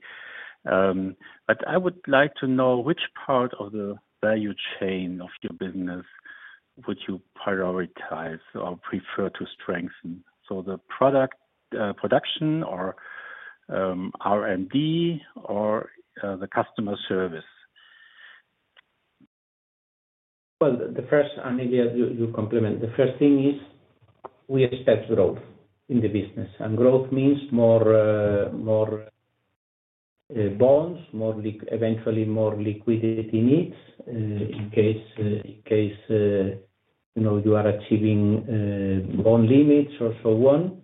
I would like to know which part of the value chain of your business would you prioritize or prefer to strengthen, so the product production or R&D or the customer service? The first thing is we expect growth in the business and growth means more bonds, eventually more liquidity needs in case you are achieving bond limits or so on.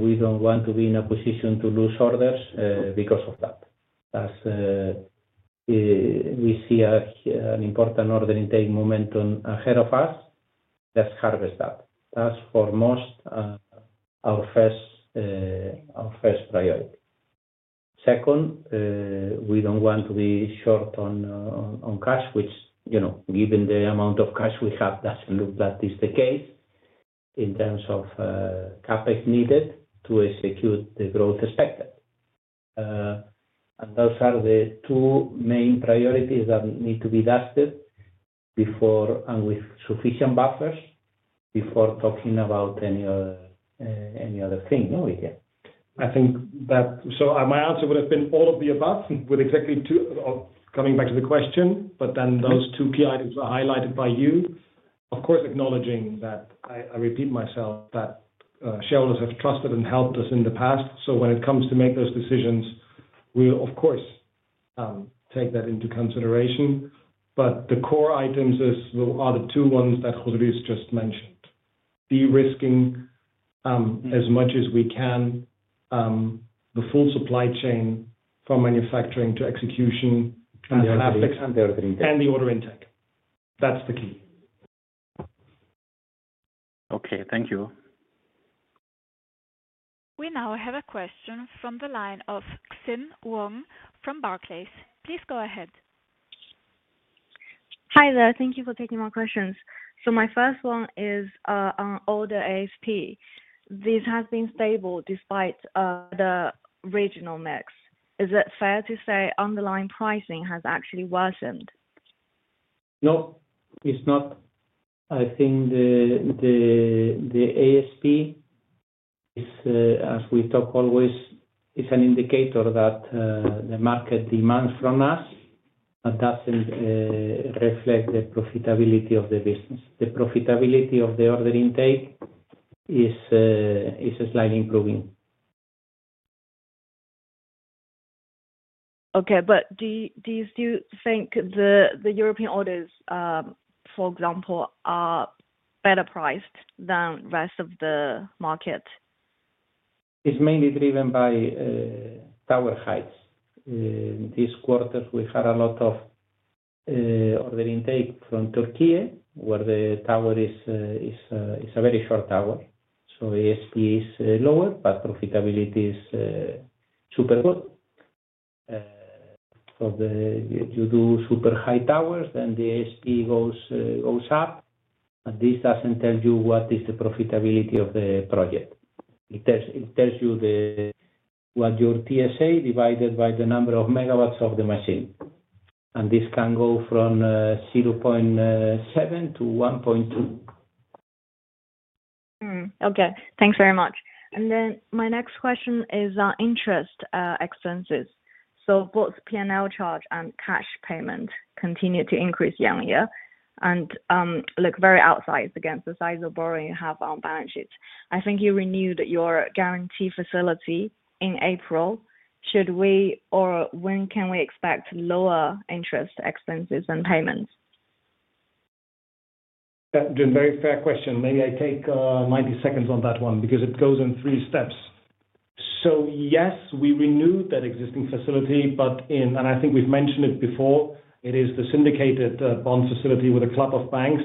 We don't want to be in a position to lose orders because of that. We see an important order intake momentum ahead of us, harvest that, that's foremost our first priority. Second, we don't want to be short on cash, which, given the amount of cash we have, doesn't look that is the case in terms of CapEx needed to execute the growth expected, and those are the two main priorities that need to be dusted before and with sufficient buffers before talking about any other thing. I think that my answer would have been all of the above with exactly two coming back to the question. Those two key items were highlighted by you, of course, acknowledging that I repeat myself, that shareholders have trusted and helped us in the past. When it comes to make those decisions, we of course take that into consideration. The core items are the two ones just mentioned, de-risking as much as we can, the full supply chain from manufacturing to execution. And the order intake. That's the key. Okay, thank you. We now have a question from the line of Xin Wang from Barclays. Please go ahead. Hi there. Thank you for taking my questions. My first one is order ASP. This has been stable despite the regional mix. Is it fair to say underlying pricing has actually worsened? No, it's not. I think the aspect as we talk always is an indicator that the market demands from us, but doesn't reflect the profitability of the business. The profitability of the order intake is slightly improving. Okay, do you still think the European orders, for example, are better priced than the rest of the market? It's mainly driven by tower heights. This quarter we had a lot of order intake from Turkey where the tower is a very short tower, so ASP is lower, but profitability is super good. If you do super high towers, then the ASP goes up. This doesn't tell you what is the profitability of the project. It tells you what your TSA divided by the number of megawatts of the machine is, and this can go from 0.7 MW to 1.2 MW. Okay, thanks very much. My next question is on interest expenses. Both P&L charge and cash payment continue to increase year-on-year and look very outsized against the size of borrowing you have on balance sheet. I think you renewed your guarantee facility in April. Should we or when can we expect lower interest expenses and payments? Very fair question. Maybe I take 90 seconds on that one because it goes in three steps. Yes, we renewed that existing facility, and I think we've mentioned it before, it is the syndicated bond facility with a club of banks.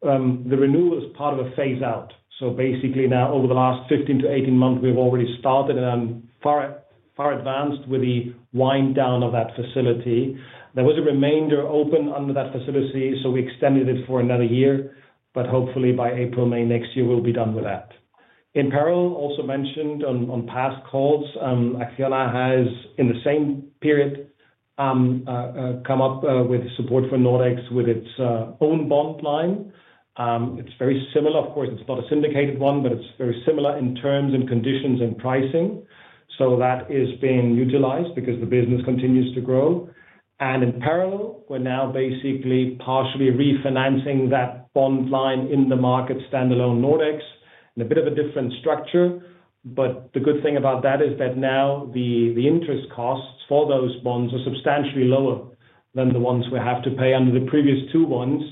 The renewal is part of a phase out. Basically, now over the last 15-18 months we've already started and are far advanced with the wind down of that facility. There was a remainder open under that facility. We extended it for another year, but hopefully by April or May next year we'll be done with that. In parallel, also mentioned on past calls, Acciona has in the same period come up with support for Nordex with its own bond line. It's very similar. Of course it's not a syndicated one, but it's very similar in terms and conditions and pricing. That is being utilized because the business continues to grow. In parallel, we're now basically partially refinancing that bond line in the market. Standalone Nordics in a bit of a different structure. The good thing about that is that now the interest costs for those bonds are substantially lower than the ones we have to pay under the previous two ones.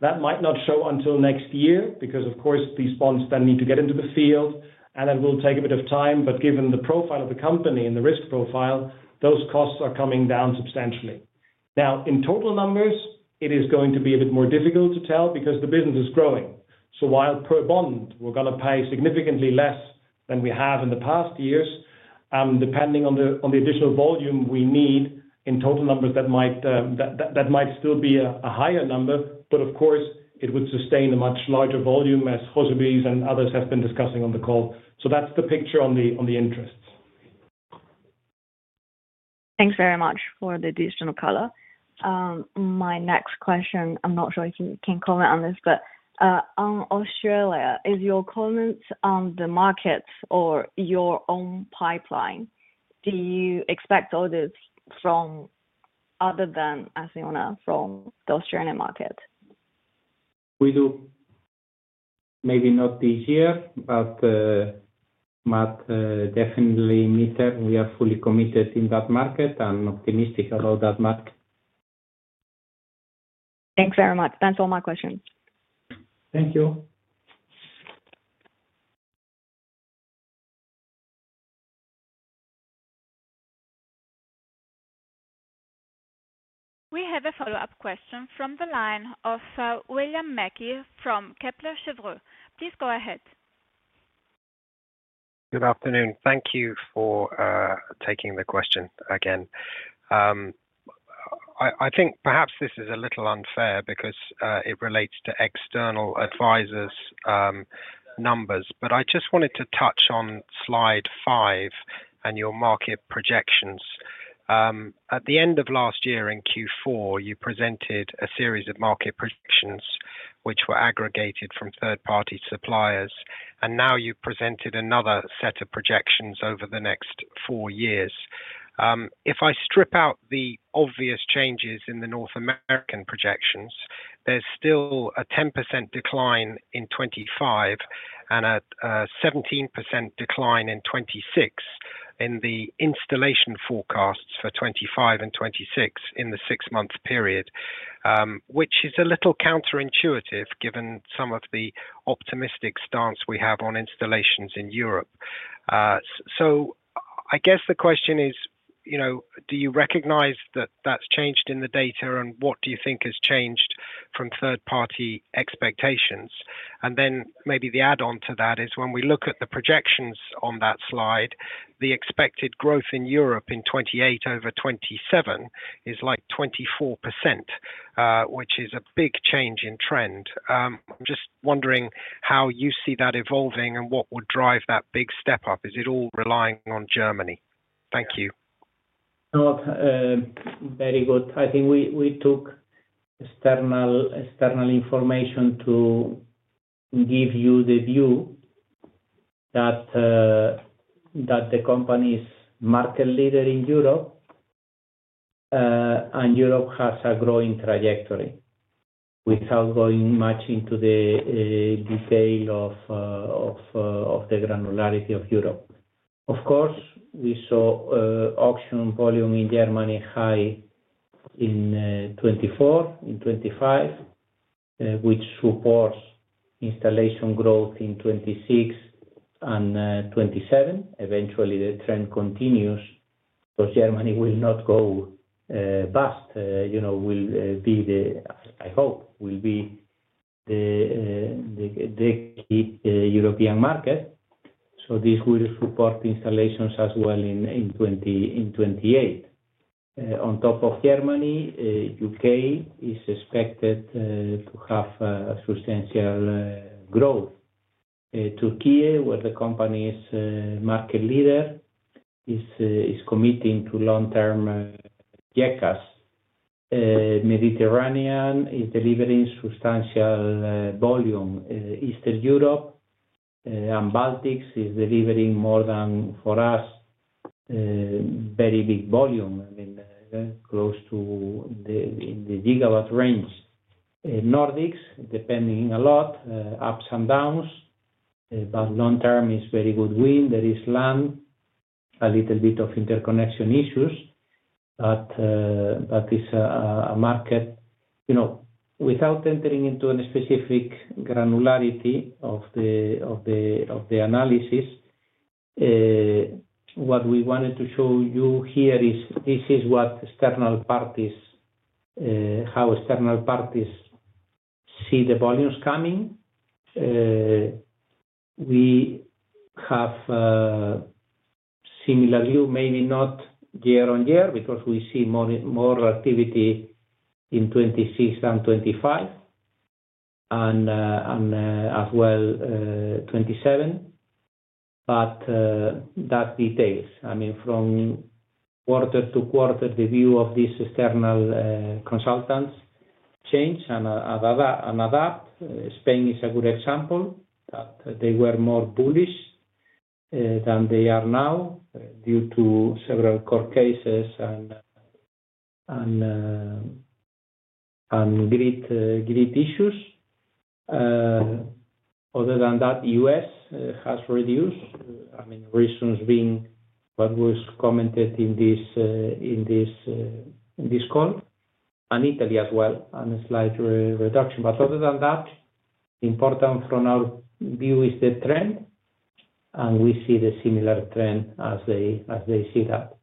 That might not show until next year because of course these bonds then need to get into the field and it will take a bit of time. Given the profile of the company and the risk profile, those costs are coming down substantially. Now in total numbers it is going to be a bit more difficult to tell because the business is growing. While per bond we're going to pay significantly less than we have in the past years, depending on the additional volume we need, in total numbers that might still be a higher number. Of course it would sustain a much larger volume as José Luis and others have been discussing on the call. That's the picture on the interests. Thanks very much for the addition of color. My next question, I'm not sure if you can comment on this, but on Australia, is your comments on the market or your own pipeline. Do you expect orders from other than Acciona from the Australian market? We do. Maybe not this year, but market definitely meter. We are fully committed in that market and optimistic about that market. Thanks very much. That's all my questions. Thank you. We have a follow-up question from the line of William Mackey from Kepler Cheuvreux. Please go ahead. Good afternoon. Thank you for taking the question again. I think perhaps this is a little unfair because it relates to external advisors' numbers, but I just wanted to touch on slide 5 and your market projections. At the end of last year in Q4, you presented a series of market projections which were aggregated from third party suppliers, and now you presented another set of projections over the next four years. If I strip out the obvious changes in the North American projections, there's still a 10% decline in 2025 and a 17% decline in 2026 in the installation forecasts for 2025 and 2026 in the six month period, which is a little counterintuitive given some of the optimistic stance we have on installations in Europe. I guess the question is, do you recognize that that's changed in the data and what do you think has changed from third party expectations? Maybe the add on to that is when we look at the projections on that slide, the expected growth in Europe in 2028 over 2027 is like 24%, which is a big change in trend. I'm just wondering how you see that evolving and what would drive that big step up. Is it all relying on Germany? Thank you. Very good. I think we took external information to give you the view that the company is market leader in Europe and Europe has a growing trajectory. Without going much into the detail of the granularity of Europe, of course we saw auction volume in Germany high in 2024, in 2025 which supports installation growth in 2026 and 2027. Eventually the trend continues because Germany will not go bust, you know, will be the, I hope, will be the key European market. This will support installations as well in 2028. On top of Germany, U.K. is expected to have substantial growth. Turkey, where the company is market leader, is committing to long term ECAs. Mediterranean is delivering substantial volume. Eastern Europe, Baltics is delivering more than for us, very big volume, I mean close to the gigawatt range. Nordics depending a lot, ups and downs, but long term is very good wind. There is land, a little bit of interconnection issues, but it's a market, you know, without entering into a specific granularity of the analysis. What we wanted to show you here is this is what external parties, how external parties see the volumes coming. We have similar view, maybe not year-on-year because we see more activity in 2026 and 2025 and as well 2027, but that details, I mean from quarter to quarter the view of these external consultants change and adapt. Spain is a good example. They were more bullish than they are now due to several court cases and grid issues. Other than that, U.S. has reduced, I mean reasons being what was commented in this call, and Italy as well and a slight reduction. Other than that, important from our view is the trend and we see the similar trend as they see that.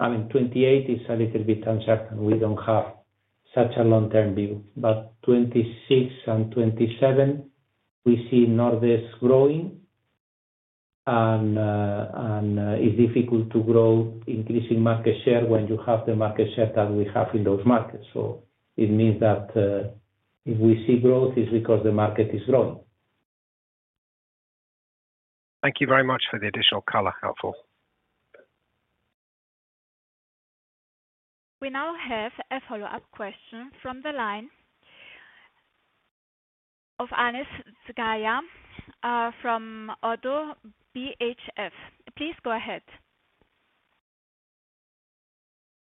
I mean 2028 is a little bit uncertain. We don't have such a long term view. 2026 and 2027 we see Nordex growing and it's difficult to grow increasing market share when you have the market share that we have in those markets. It means that if we see growth it's because the market is growing. Thank you very much for the additional color, helpful. We now have a follow-up question from the line of Anis Zgaya from ODDO BHF. Please go ahead.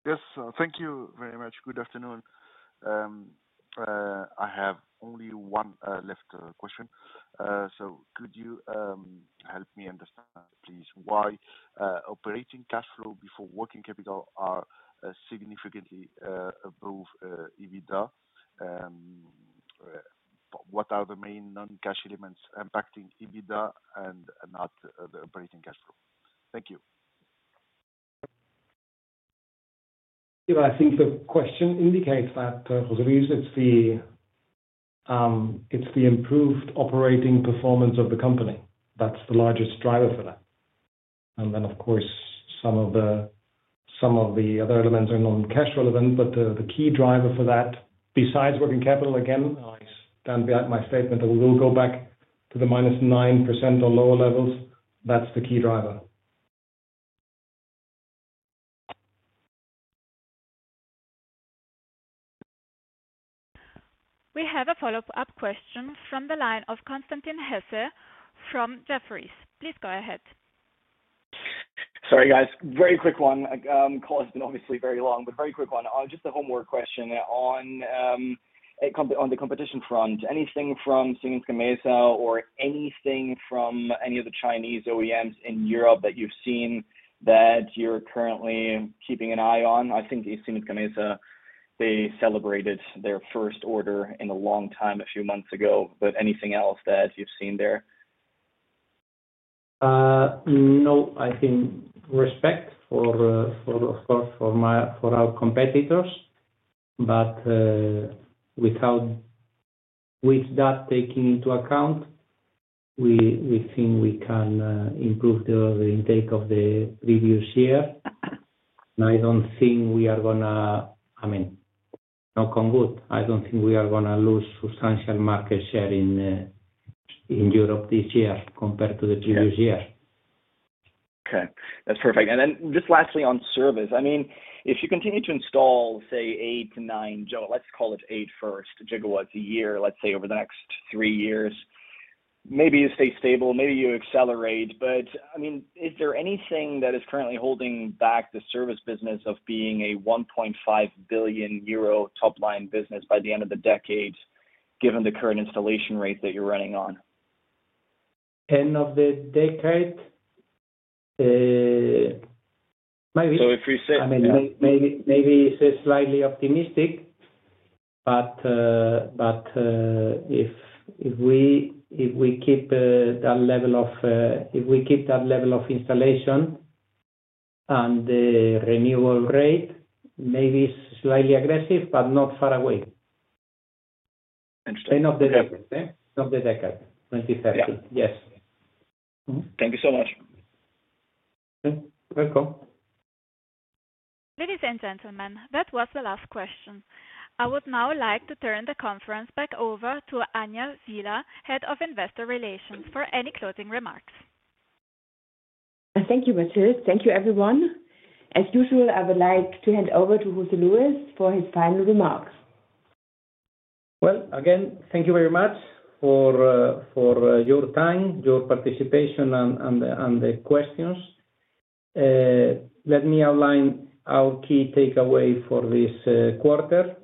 Yes, thank you very much. Good afternoon. I have only one question left. Could you help me understand, please, why operating cash flow before working capital are significantly above EBITDA? What are the main non-cash elements impacting EBITDA and not the operating cash flow? Thank you. I think the question indicates that. It's the improved operating performance of the company is the largest driver for that. Of course, some of the other elements are non-cash relevant, but the key driver for that, besides working capital. Again, I stand behind my statement that we will go back to the -9% or lower levels. That's the key driver. We have a follow-up question from the line of Constantin Hesse from Jefferies, please go ahead. Sorry guys, very quick one. Call has been obviously very long, but very quick one. Just a homework question on the competition front. Anything from Siemens Gamesa or anything from any of the Chinese OEMs in Europe that you've seen, that you're currently keeping an eye on? I think Siemens Gamesa, they celebrated their first order in a long time a few months ago. Anything else that you've seen there? No, I think, respect for, of course, our competitors. With that taking into account, we think we can improve the order intake of the previous year. I don't think we are going to, I mean, knock on wood, I don't think we are going to lose substantial market share in Europe this year compared to the previous year. Okay, that's perfect. Lastly, on service, if you continue to install, say, 8 GW-9GW, let's call it 8 GW first, gigawatts a year, let's say the next three years, maybe you stay stable, maybe you accelerate. Is there anything that is currently holding back the service business from being a 1.5 billion euro top line business by the end of the decade, given the current installation rate that you're running on? End of the decade? Maybe. Maybe slightly optimistic, but if we keep that level of installation and the renewal rate, maybe slightly aggressive, but not far away. Yes, thank you so much. Ladies and gentlemen, that was the last question. I would now like to turn the conference back over to Anja Siehler, Head of Investor Relations, for any closing remarks. Thank you, Mathilde. Thank you everyone. As usual, I would like to hand over to José Luis for his final remarks. Thank you very much for your time, your participation, and the questions. Let me outline our key takeaway for this quarter.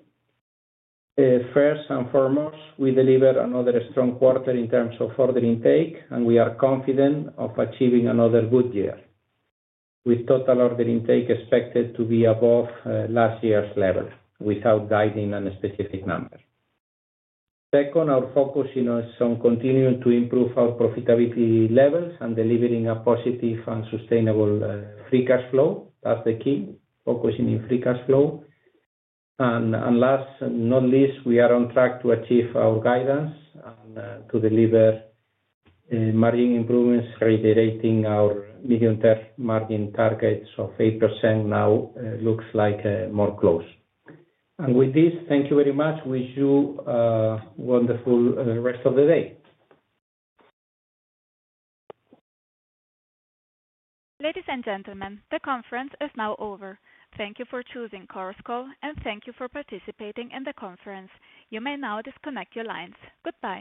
First and foremost, we delivered another strong quarter in terms of order intake, and we are confident of achieving another good year with total order intake expected to be above last year's level without guiding a specific number. Second, our focus on continuing to improve our profitability levels and delivering a positive and strong sustainable free cash flow. That's the key, focusing in free cash flow. Last, not least, we are on track to achieve our guidance to deliver margin improvements, reiterating our medium term margin targets of 8%. Now looks like more close and with this. Thank you very much. Wish you wonderful rest of the day. Ladies and gentlemen, the conference is now over. Thank you for choosing Corsco and thank you for participating in the conference. You may now disconnect your lines. Goodbye.